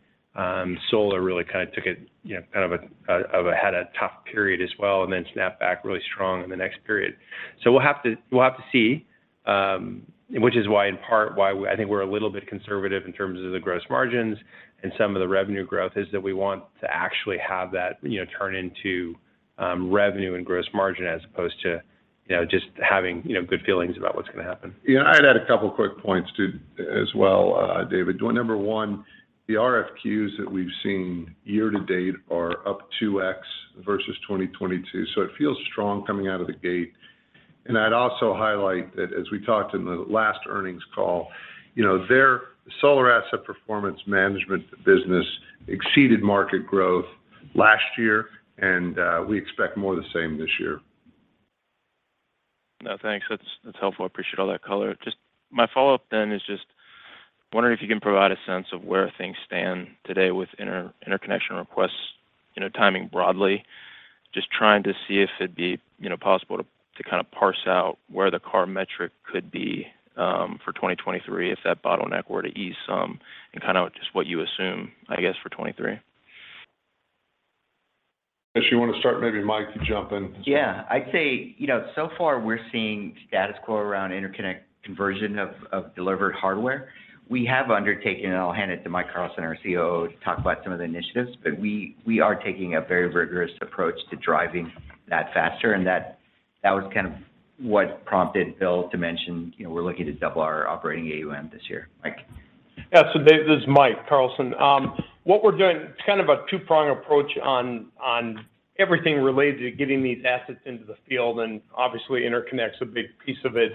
solar really kind of took a, kind of a had a tough period as well and then snapped back really strong in the next period. We'll have to see, which is why, in part, why I think we're a little bit conservative in terms of the gross margins and some of the revenue growth, is that we want to actually have that, you know, turn into revenue and gross margin as opposed to, you know, just having, you know, good feelings about what's gonna happen. Yeah. I'd add a couple of quick points too as well, David. Number one, the RFQs that we've seen year-to-date are up 2x versus 2022, so it feels strong coming out of the gate. I'd also highlight that as we talked in the last earnings call, you know, their solar asset performance management business exceeded market growth last year, and we expect more of the same this year. No, thanks. That's helpful. I appreciate all that color. Just my follow-up then is just wondering if you can provide a sense of where things stand today with interconnection requests, you know, timing broadly. Just trying to see if it'd be, you know, possible to kind of parse out where the CARR metric could be for 2023 if that bottleneck were to ease some and kind of just what you assume, I guess, for 2023. If you want to start, maybe Mike, you jump in. Yeah. I'd say, you know, so far we're seeing status quo around interconnect conversion of delivered hardware. We have undertaken, and I'll hand it to Michael Carlson, our COO, to talk about some of the initiatives, but we are taking a very rigorous approach to driving that faster. That was kind of what prompted Bill to mention, you know, we're looking to double our operating AUM this year. Mike. Yeah. This is Michael Carlson. What we're doing, it's kind of a two-pronged approach on everything related to getting these assets into the field, and obviously interconnect is a big piece of it.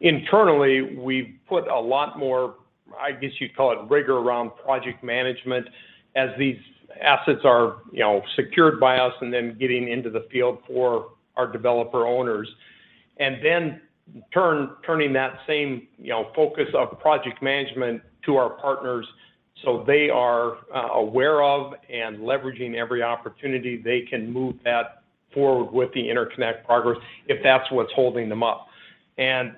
Internally, we've put a lot more, I guess you'd call it rigor around project management as these assets are, you know, secured by us and then getting into the field for our developer owners. Then turning that same, you know, focus of project management to our partners so they are aware of and leveraging every opportunity they can move that forward with the interconnect progress if that's what's holding them up.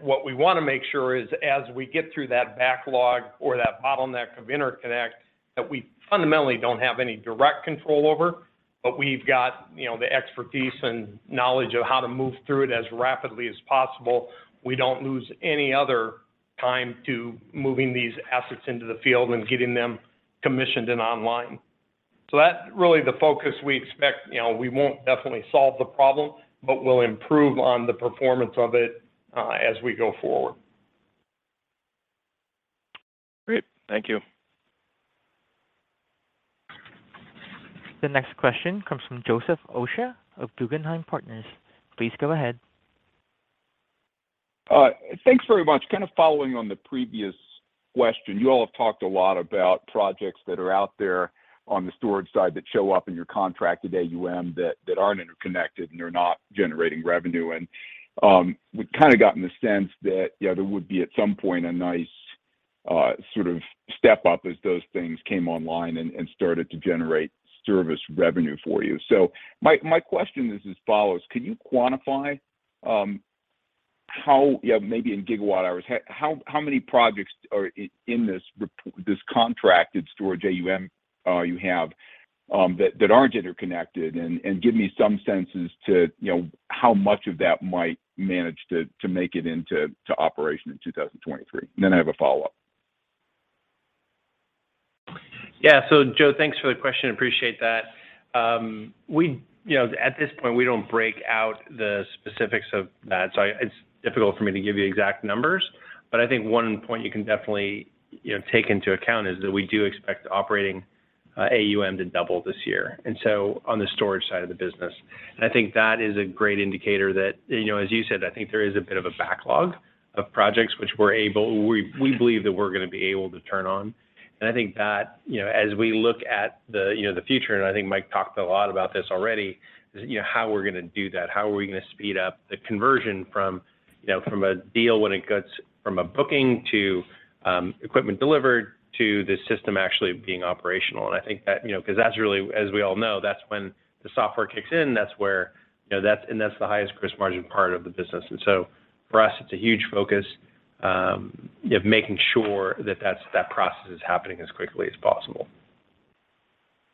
What we wanna make sure is as we get through that backlog or that bottleneck of interconnect that we fundamentally don't have any direct control over, but we've got, you know, the expertise and knowledge of how to move through it as rapidly as possible. We don't lose any other time to moving these assets into the field and getting them commissioned and online. That's really the focus we expect. You know, we won't definitely solve the problem, but we'll improve on the performance of it as we go forward. Great. Thank you The next question comes from Joseph Osha of Guggenheim Partners. Please go ahead. Thanks very much. Kind of following on the previous question, you all have talked a lot about projects that are out there on the storage side that show up in your contracted AUM that aren't interconnected and they're not generating revenue. We've kinda gotten the sense that, there would be at some point a nice, sort of step up as those things came online and started to generate service revenue for you. My question is as follows: Can you quantify, maybe in gigawatt hours, how many projects are in this contracted storage AUM you have, that aren't interconnected? Give me some senses to, you know, how much of that might manage to make it into, to operation in 2023. I have a follow-up. Yeah. Joe, thanks for the question. Appreciate that. You know, at this point, we don't break out the specifics of that, so it's difficult for me to give you exact numbers. I think one point you can definitely, you know, take into account is that we do expect operating AUM to double this year on the storage side of the business. I think that is a great indicator that, you know, as you said, I think there is a bit of a backlog of projects which we believe that we're gonna be able to turn on. I think that, you know, as we look at the, you know, the future, and I think Mike talked a lot about this already, is, you know, how we're gonna do that. How are we gonna speed up the conversion from, you know, from a deal when it goes from a booking to equipment delivered to the system actually being operational? I think that, you know, 'cause that's really as we all know, that's when the software kicks in. That's where, you know, and that's the highest gross margin part of the business. For us, it's a huge focus of making sure that that process is happening as quickly as possible.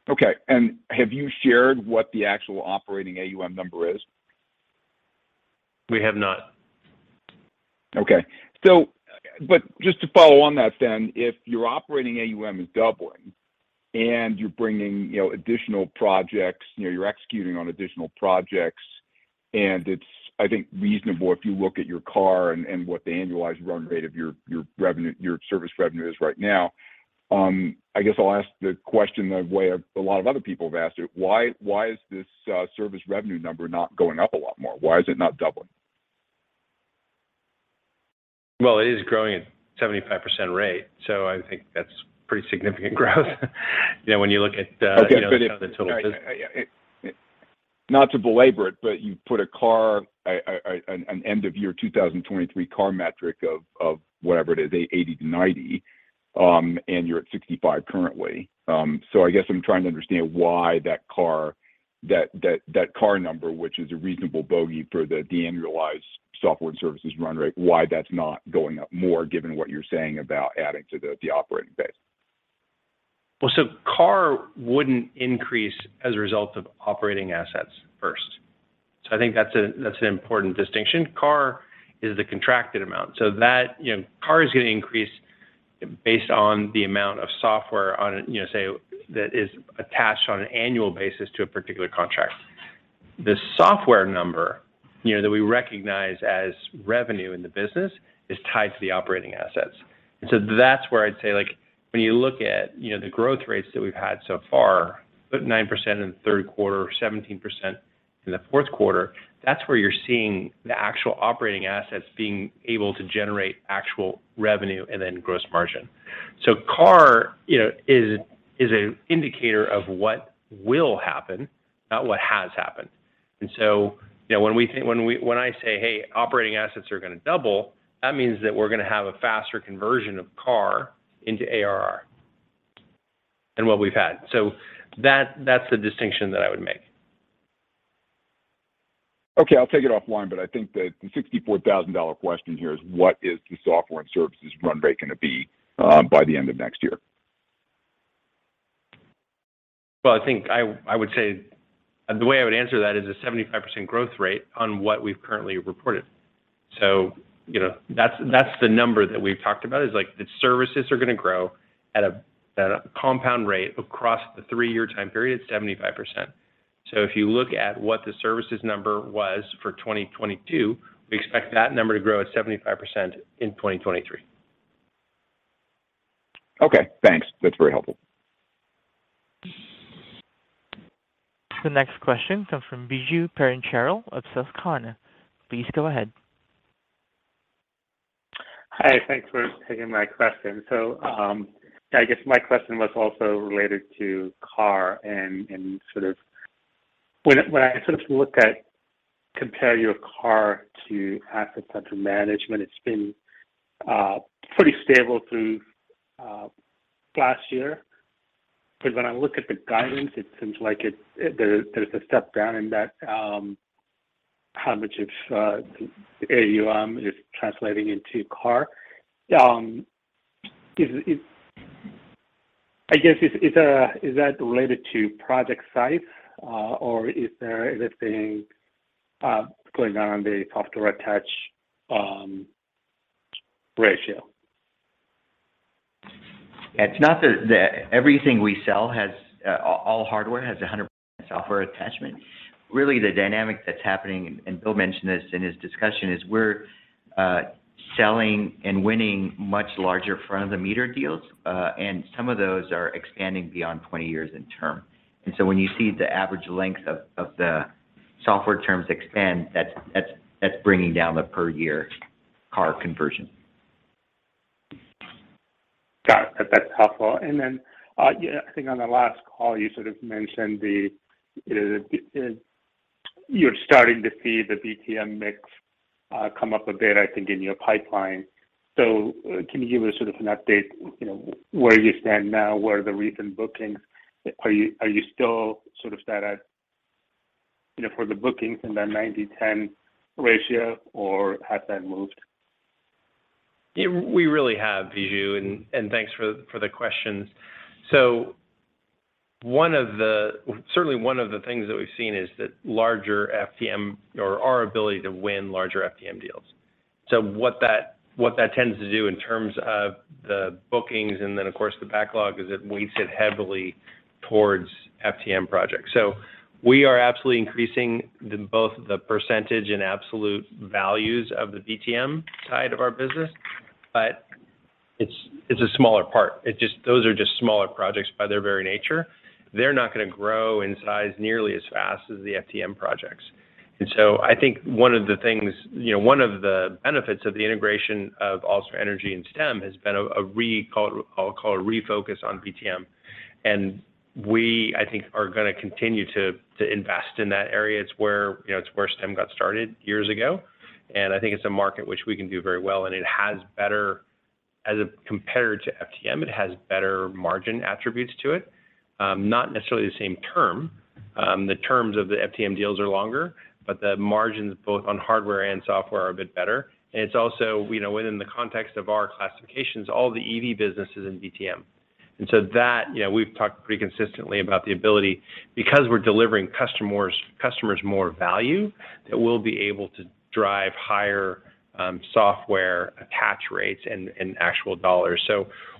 Okay. Have you shared what the actual operating AUM number is? We have not. Okay. Just to follow on that then, if your operating AUM is doubling and you're bringing, you know, additional projects, you know, you're executing on additional projects and it's, I think, reasonable if you look at your CARR and what the annualized run rate of your revenue, your service revenue is right now, I guess I'll ask the question the way a lot of other people have asked it. Why is this service revenue number not going up a lot more? Why is it not doubling? Well, it is growing at 75% rate, I think that's pretty significant growth. You know, when you look at, you know, the total business. Okay. Not to belabor it, but you put a CARR, an end of year 2023 CARR metric of whatever it is, 80-90, and you're at 65 currently. I guess I'm trying to understand why that CARR, that CARR number, which is a reasonable bogey for the de-annualized software and services run rate, why that's not going up more given what you're saying about adding to the operating base. CARR wouldn't increase as a result of operating assets first. I think that's a, that's an important distinction. CARR is the contracted amount, that, you know, CARR is gonna increase based on the amount of software on a, you know, say that is attached on an annual basis to a particular contract. The software number, you know, that we recognize as revenue in the business is tied to the operating assets. That's where I'd say, like, when you look at, you know, the growth rates that we've had so far, 9% in the third quarter, 17% in the fourth quarter, that's where you're seeing the actual operating assets being able to generate actual revenue and then gross margin. CARR, you know, is a indicator of what will happen, not what has happened. You know, when I say, "Hey, operating assets are gonna double," that means that we're gonna have a faster conversion of CARR into ARR than what we've had. That's the distinction that I would make. Okay. I'll take it offline, but I think that the $64,000 question here is what is the software and services run rate gonna be by the end of next year? Well, I think I would say. The way I would answer that is a 75% growth rate on what we've currently reported. You know, that's the number that we've talked about, is like the services are gonna grow at a compound rate across the three-year time period, 75%. If you look at what the services number was for 2022, we expect that number to grow at 75% in 2023. Okay, thanks. That's very helpful. The next question comes from Biju Perincheril of Susquehanna. Please go ahead. Hi. Thanks for taking my question. Yeah, I guess my question was also related to CARR and sort of when I sort of compare your CARR to asset under management, it's been pretty stable through last year. When I look at the guidance, it seems like there's a step down in that, how much of the AUM is translating into CARR. I guess, is that related to project size, or is there anything going on on the software attach ratio? It's not that everything we sell has, all hardware has 100% software attachment. Really, the dynamic that's happening, and Bill mentioned this in his discussion, is we're. Selling and winning much larger front-of-the-meter deals, some of those are expanding beyond 20 years in term. When you see the average length of the software terms expand, that's bringing down the per year CARR conversion. Got it. That's helpful. Yeah, I think on the last call you sort of mentioned the VTM mix come up a bit, I think, in your pipeline. Can you give us sort of an update, you know, where you stand now, where are the recent bookings? Are you still sort of stacked at, you know, for the bookings in that 90/10 ratio or has that moved? We really have, Biju, and thanks for the question. Certainly one of the things that we've seen is that larger FTM or our ability to win larger FTM deals. What that tends to do in terms of the bookings and then of course the backlog is it weighted heavily towards FTM projects. We are absolutely increasing the, both the percentage and absolute values of the VTM side of our business, but it's a smaller part. Those are just smaller projects by their very nature. They're not gonna grow in size nearly as fast as the FTM projects. I think one of the things, you know, one of the benefits of the integration of AlsoEnergy and Stem has been call it, I'll call it refocus on VTM. We, I think are gonna continue to invest in that area. It's where, you know, it's where Stem got started years ago, and I think it's a market which we can do very well and it has As a compared to FTM, it has better margin attributes to it. Not necessarily the same term. The terms of the FTM deals are longer, but the margins both on hardware and software are a bit better. It's also, you know, within the context of our classifications, all the EV businesses in VTM. That, you know, we've talked pretty consistently about the ability, because we're delivering customers more value, that we'll be able to drive higher software attach rates and actual dollars.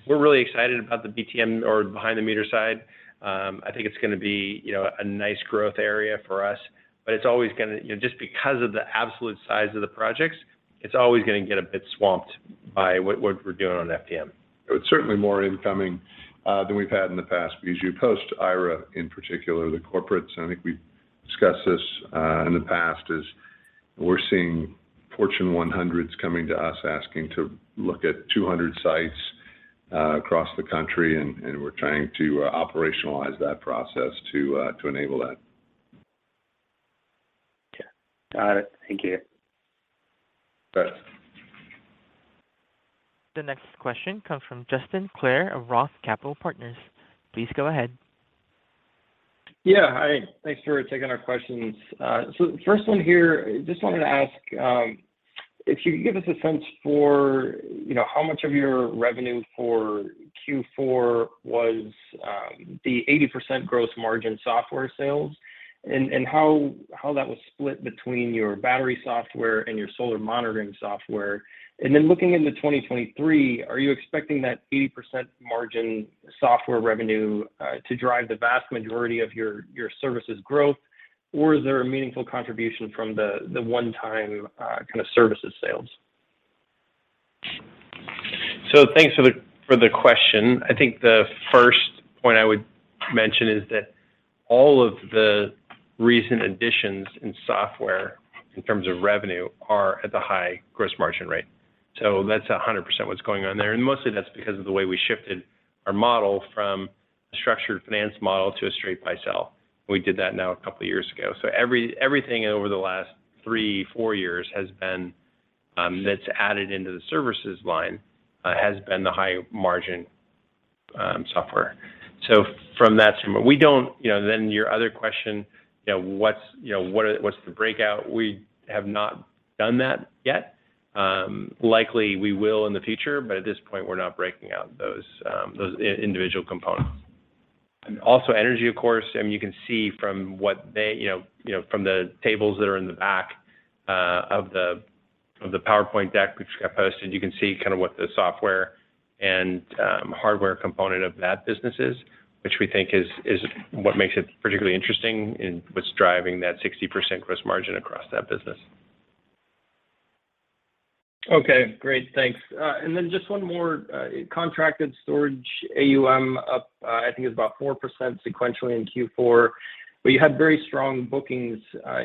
We're really excited about the BTM or behind-the-meter side. I think it's gonna be, you know, a nice growth area for us, but it's always gonna, you know, just because of the absolute size of the projects, it's always gonna get a bit swamped by what we're doing on FTM. It's certainly more incoming than we've had in the past. Biju, post IRA, in particular the corporates, and I think we've discussed this in the past, is we're seeing Fortune 100s coming to us asking to look at 200 sites across the country and we're trying to operationalize that process to enable that. Yeah. Got it. Thank you. Thanks. The next question comes from Justin Clare of Roth Capital Partners. Please go ahead. Hi. Thanks for taking our questions. The first one here, just wanted to ask, if you could give us a sense for, you know, how much of your revenue for Q4 was the 80% gross margin software sales and how that was split between your battery software and your solar monitoring software. Looking into 2023, are you expecting that 80% margin software revenue to drive the vast majority of your services growth, or is there a meaningful contribution from the one-time kind of services sales? Thanks for the, for the question. I think the first point I would mention is that all of the recent additions in software in terms of revenue are at the high gross margin rate. That's 100% what's going on there. And mostly that's because of the way we shifted our model from a structured finance model to a straight buy-sell. We did that now a couple of years ago. Everything over the last three, four years has been, that's added into the services line, has been the high margin software. From that standpoint. We don't You know, then your other question, you know, what's, you know, what's the breakout? We have not done that yet. likely we will in the future, but at this point we're not breaking out those individual components. AlsoEnergy, of course. I mean, you can see from what they, you know, from the tables that are in the back of the PowerPoint deck which got posted, you can see kind of what the software and hardware component of that business is, which we think is what makes it particularly interesting and what's driving that 60% gross margin across that business. Okay. Great. Thanks. Just one more. Contracted storage AUM up, I think it was about 4% sequentially in Q4, but you had very strong bookings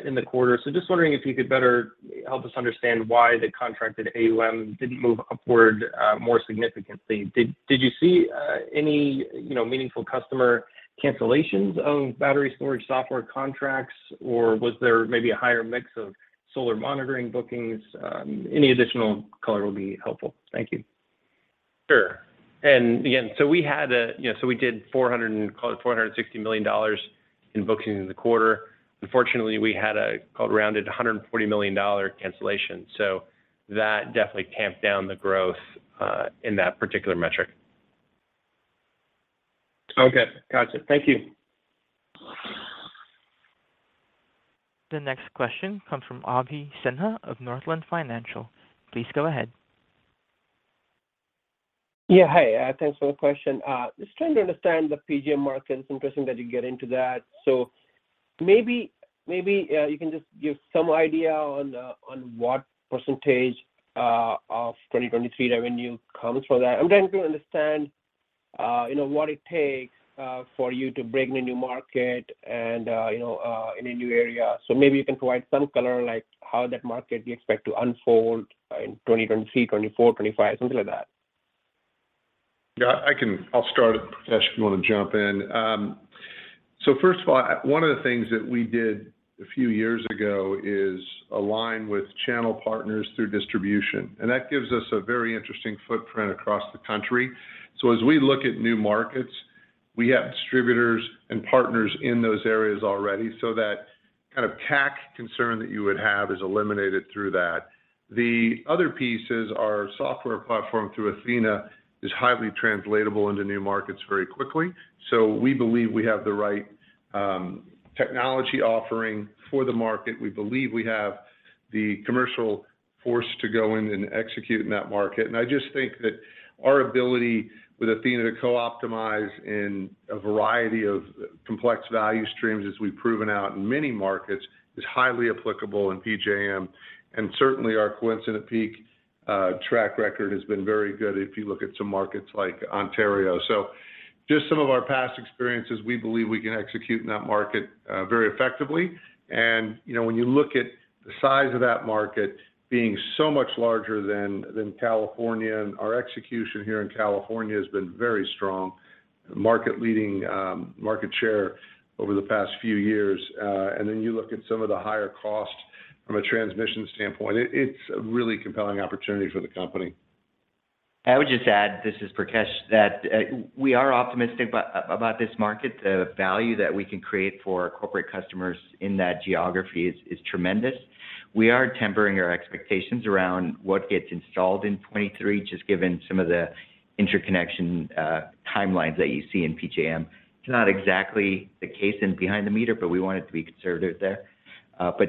in the quarter. Just wondering if you could better help us understand why the contracted AUM didn't move upward more significantly? Did you see any, you know, meaningful customer cancellations of battery storage software contracts? Was there maybe a higher mix of solar monitoring bookings? Any additional color will be helpful. Thank you. Sure. We had a, you know, we did call it $460 million in bookings in the quarter. Unfortunately, we had a call it rounded $140 million cancellation. That definitely tamped down the growth in that particular metric. Okay. Gotcha. Thank you. The next question comes from Abhi Sinha of Northland Capital Markets. Please go ahead. Yeah. Hi, thanks for the question. Just trying to understand the PJM market. It's interesting that you get into that. Maybe, maybe, you can just give some idea on the, on what % of 2023 revenue comes from that. I'm trying to understand, you know, what it takes for you to break in a new market and, you know, in a new area. Maybe you can provide some color, like how that market you expect to unfold in 2023, 2024, 2025, something like that. I'll start. Prakash, if you want to jump in. First of all, one of the things that we did a few years ago is align with channel partners through distribution, and that gives us a very interesting footprint across the country. As we look at new markets, we have distributors and partners in those areas already, so that kind of tack concern that you would have is eliminated through that. The other piece is our software platform through Athena is highly translatable into new markets very quickly. We believe we have the right technology offering for the market. We believe we have the commercial force to go in and execute in that market. I just think that our ability with Athena to co-optimize in a variety of complex value streams, as we've proven out in many markets, is highly applicable in PJM. Certainly, our coincident peak track record has been very good if you look at some markets like Ontario. Just some of our past experiences, we believe we can execute in that market very effectively. You know, when you look at the size of that market being so much larger than California, and our execution here in California has been very strong. Market-leading, market share over the past few years. You look at some of the higher cost from a transmission standpoint. It's a really compelling opportunity for the company. I would just add, this is Prakash, that we are optimistic about this market. The value that we can create for our corporate customers in that geography is tremendous. We are tempering our expectations around what gets installed in 2023, just given some of the interconnection, timelines that you see in PJM. It's not exactly the case in behind the meter, but we wanted to be conservative there.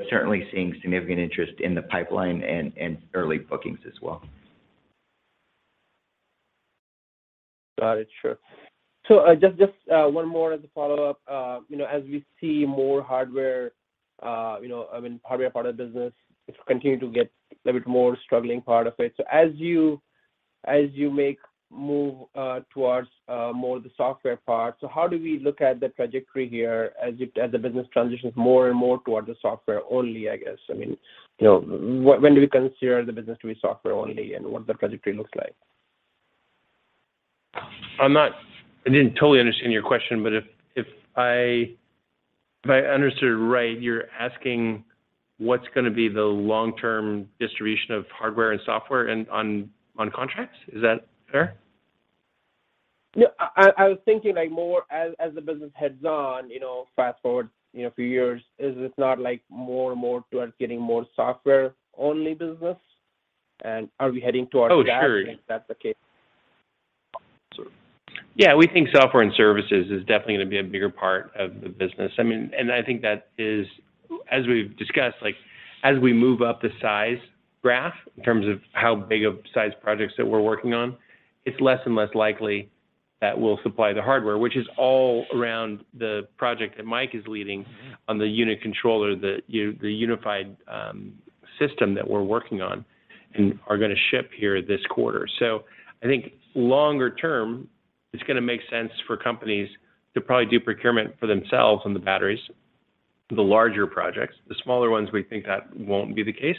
Certainly seeing significant interest in the pipeline and early bookings as well. Got it. Sure. just one more as a follow-up. you know, as we see more hardware, you know, I mean, hardware part of the business, it will continue to get a little bit more struggling part of it. As you, as you make move towards more the software part, so how do we look at the trajectory here as the business transitions more and more towards the software only, I guess? I mean, you know, when do we consider the business to be software only, and what the trajectory looks like? I didn't totally understand your question, but if I understood it right, you're asking what's gonna be the long-term distribution of hardware and software on contracts. Is that fair? Yeah. I was thinking like more as the business heads on, you know, fast-forward, you know, a few years, is it not like more and more towards getting more software-only business? Are we heading towards that? Oh, sure. If that's the case. Yeah. We think software and services is definitely gonna be a bigger part of the business. I mean, I think that is, as we've discussed, like as we move up the size graph in terms of how big of size projects that we're working on, it's less and less likely that we'll supply the hardware, which is all around the project that Mike is leading on the unit controller, the unified system that we're working on and are gonna ship here this quarter. I think longer term, it's gonna make sense for companies to probably do procurement for themselves on the batteries, the larger projects. The smaller ones, we think that won't be the case.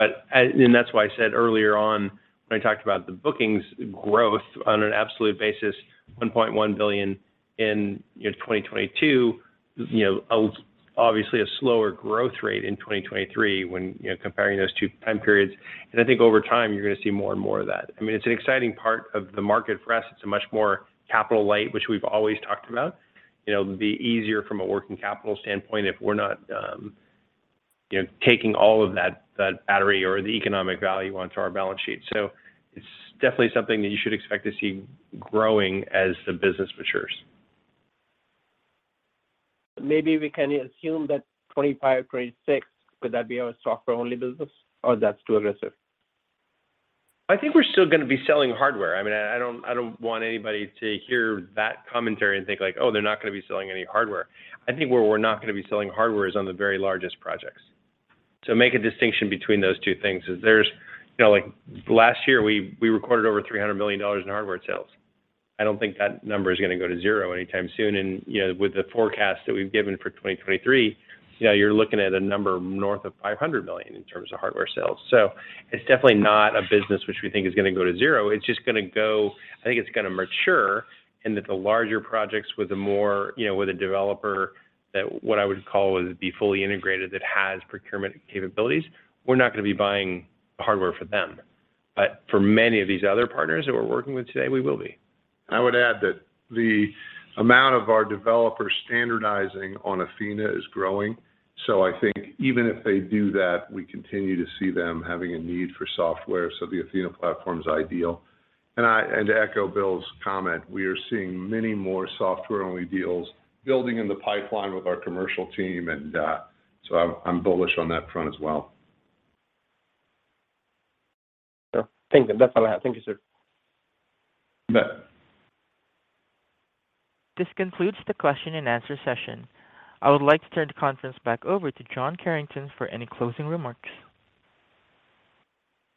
And that's why I said earlier on when I talked about the bookings growth on an absolute basis, $1.1 billion in, you know, 2022, you know, obviously a slower growth rate in 2023 when, you know, comparing those two time periods. I think over time, you're gonna see more and more of that. I mean, it's an exciting part of the market for us. It's a much more capital light, which we've always talked about. You know, it'll be easier from a working capital standpoint if we're not, you know, taking all of that battery or the economic value onto our balance sheet. It's definitely something that you should expect to see growing as the business matures. Maybe we can assume that 2025, 2026, could that be our software-only business, or that's too aggressive? I think we're still gonna be selling hardware. I mean, I don't want anybody to hear that commentary and think like, "Oh, they're not gonna be selling any hardware." I think where we're not gonna be selling hardware is on the very largest projects. To make a distinction between those two things is. You know, like last year, we recorded over $300 million in hardware sales. I don't think that number is gonna go to zero anytime soon. You know, with the forecast that we've given for 2023, you know, you're looking at a number north of $500 million in terms of hardware sales. It's definitely not a business which we think is gonna go to zero. It's just gonna go. I think it's gonna mature, and that the larger projects with the more, you know, with the developer that what I would call would be fully integrated, that has procurement capabilities, we're not gonna be buying hardware for them. But for many of these other partners that we're working with today, we will be. I would add that the amount of our developers standardizing on Athena is growing. I think even if they do that, we continue to see them having a need for software, so the Athena platform's ideal. To echo Bill's comment, we are seeing many more software-only deals building in the pipeline with our commercial team, I'm bullish on that front as well. Sure. Thank you. That's all I have. Thank you, sir. You bet. This concludes the question and answer session. I would like to turn the conference back over to John Carrington for any closing remarks.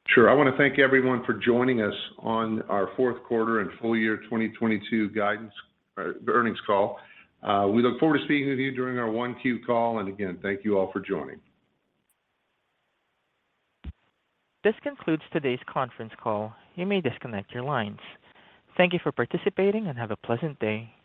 Sure. I want to thank everyone for joining us on our fourth quarter and full year 2022 guidance, earnings call. We look forward to speaking with you during our 1Q call. Again, thank you all for joining. This concludes today's conference call. You may disconnect your lines. Thank you for participating, and have a pleasant day.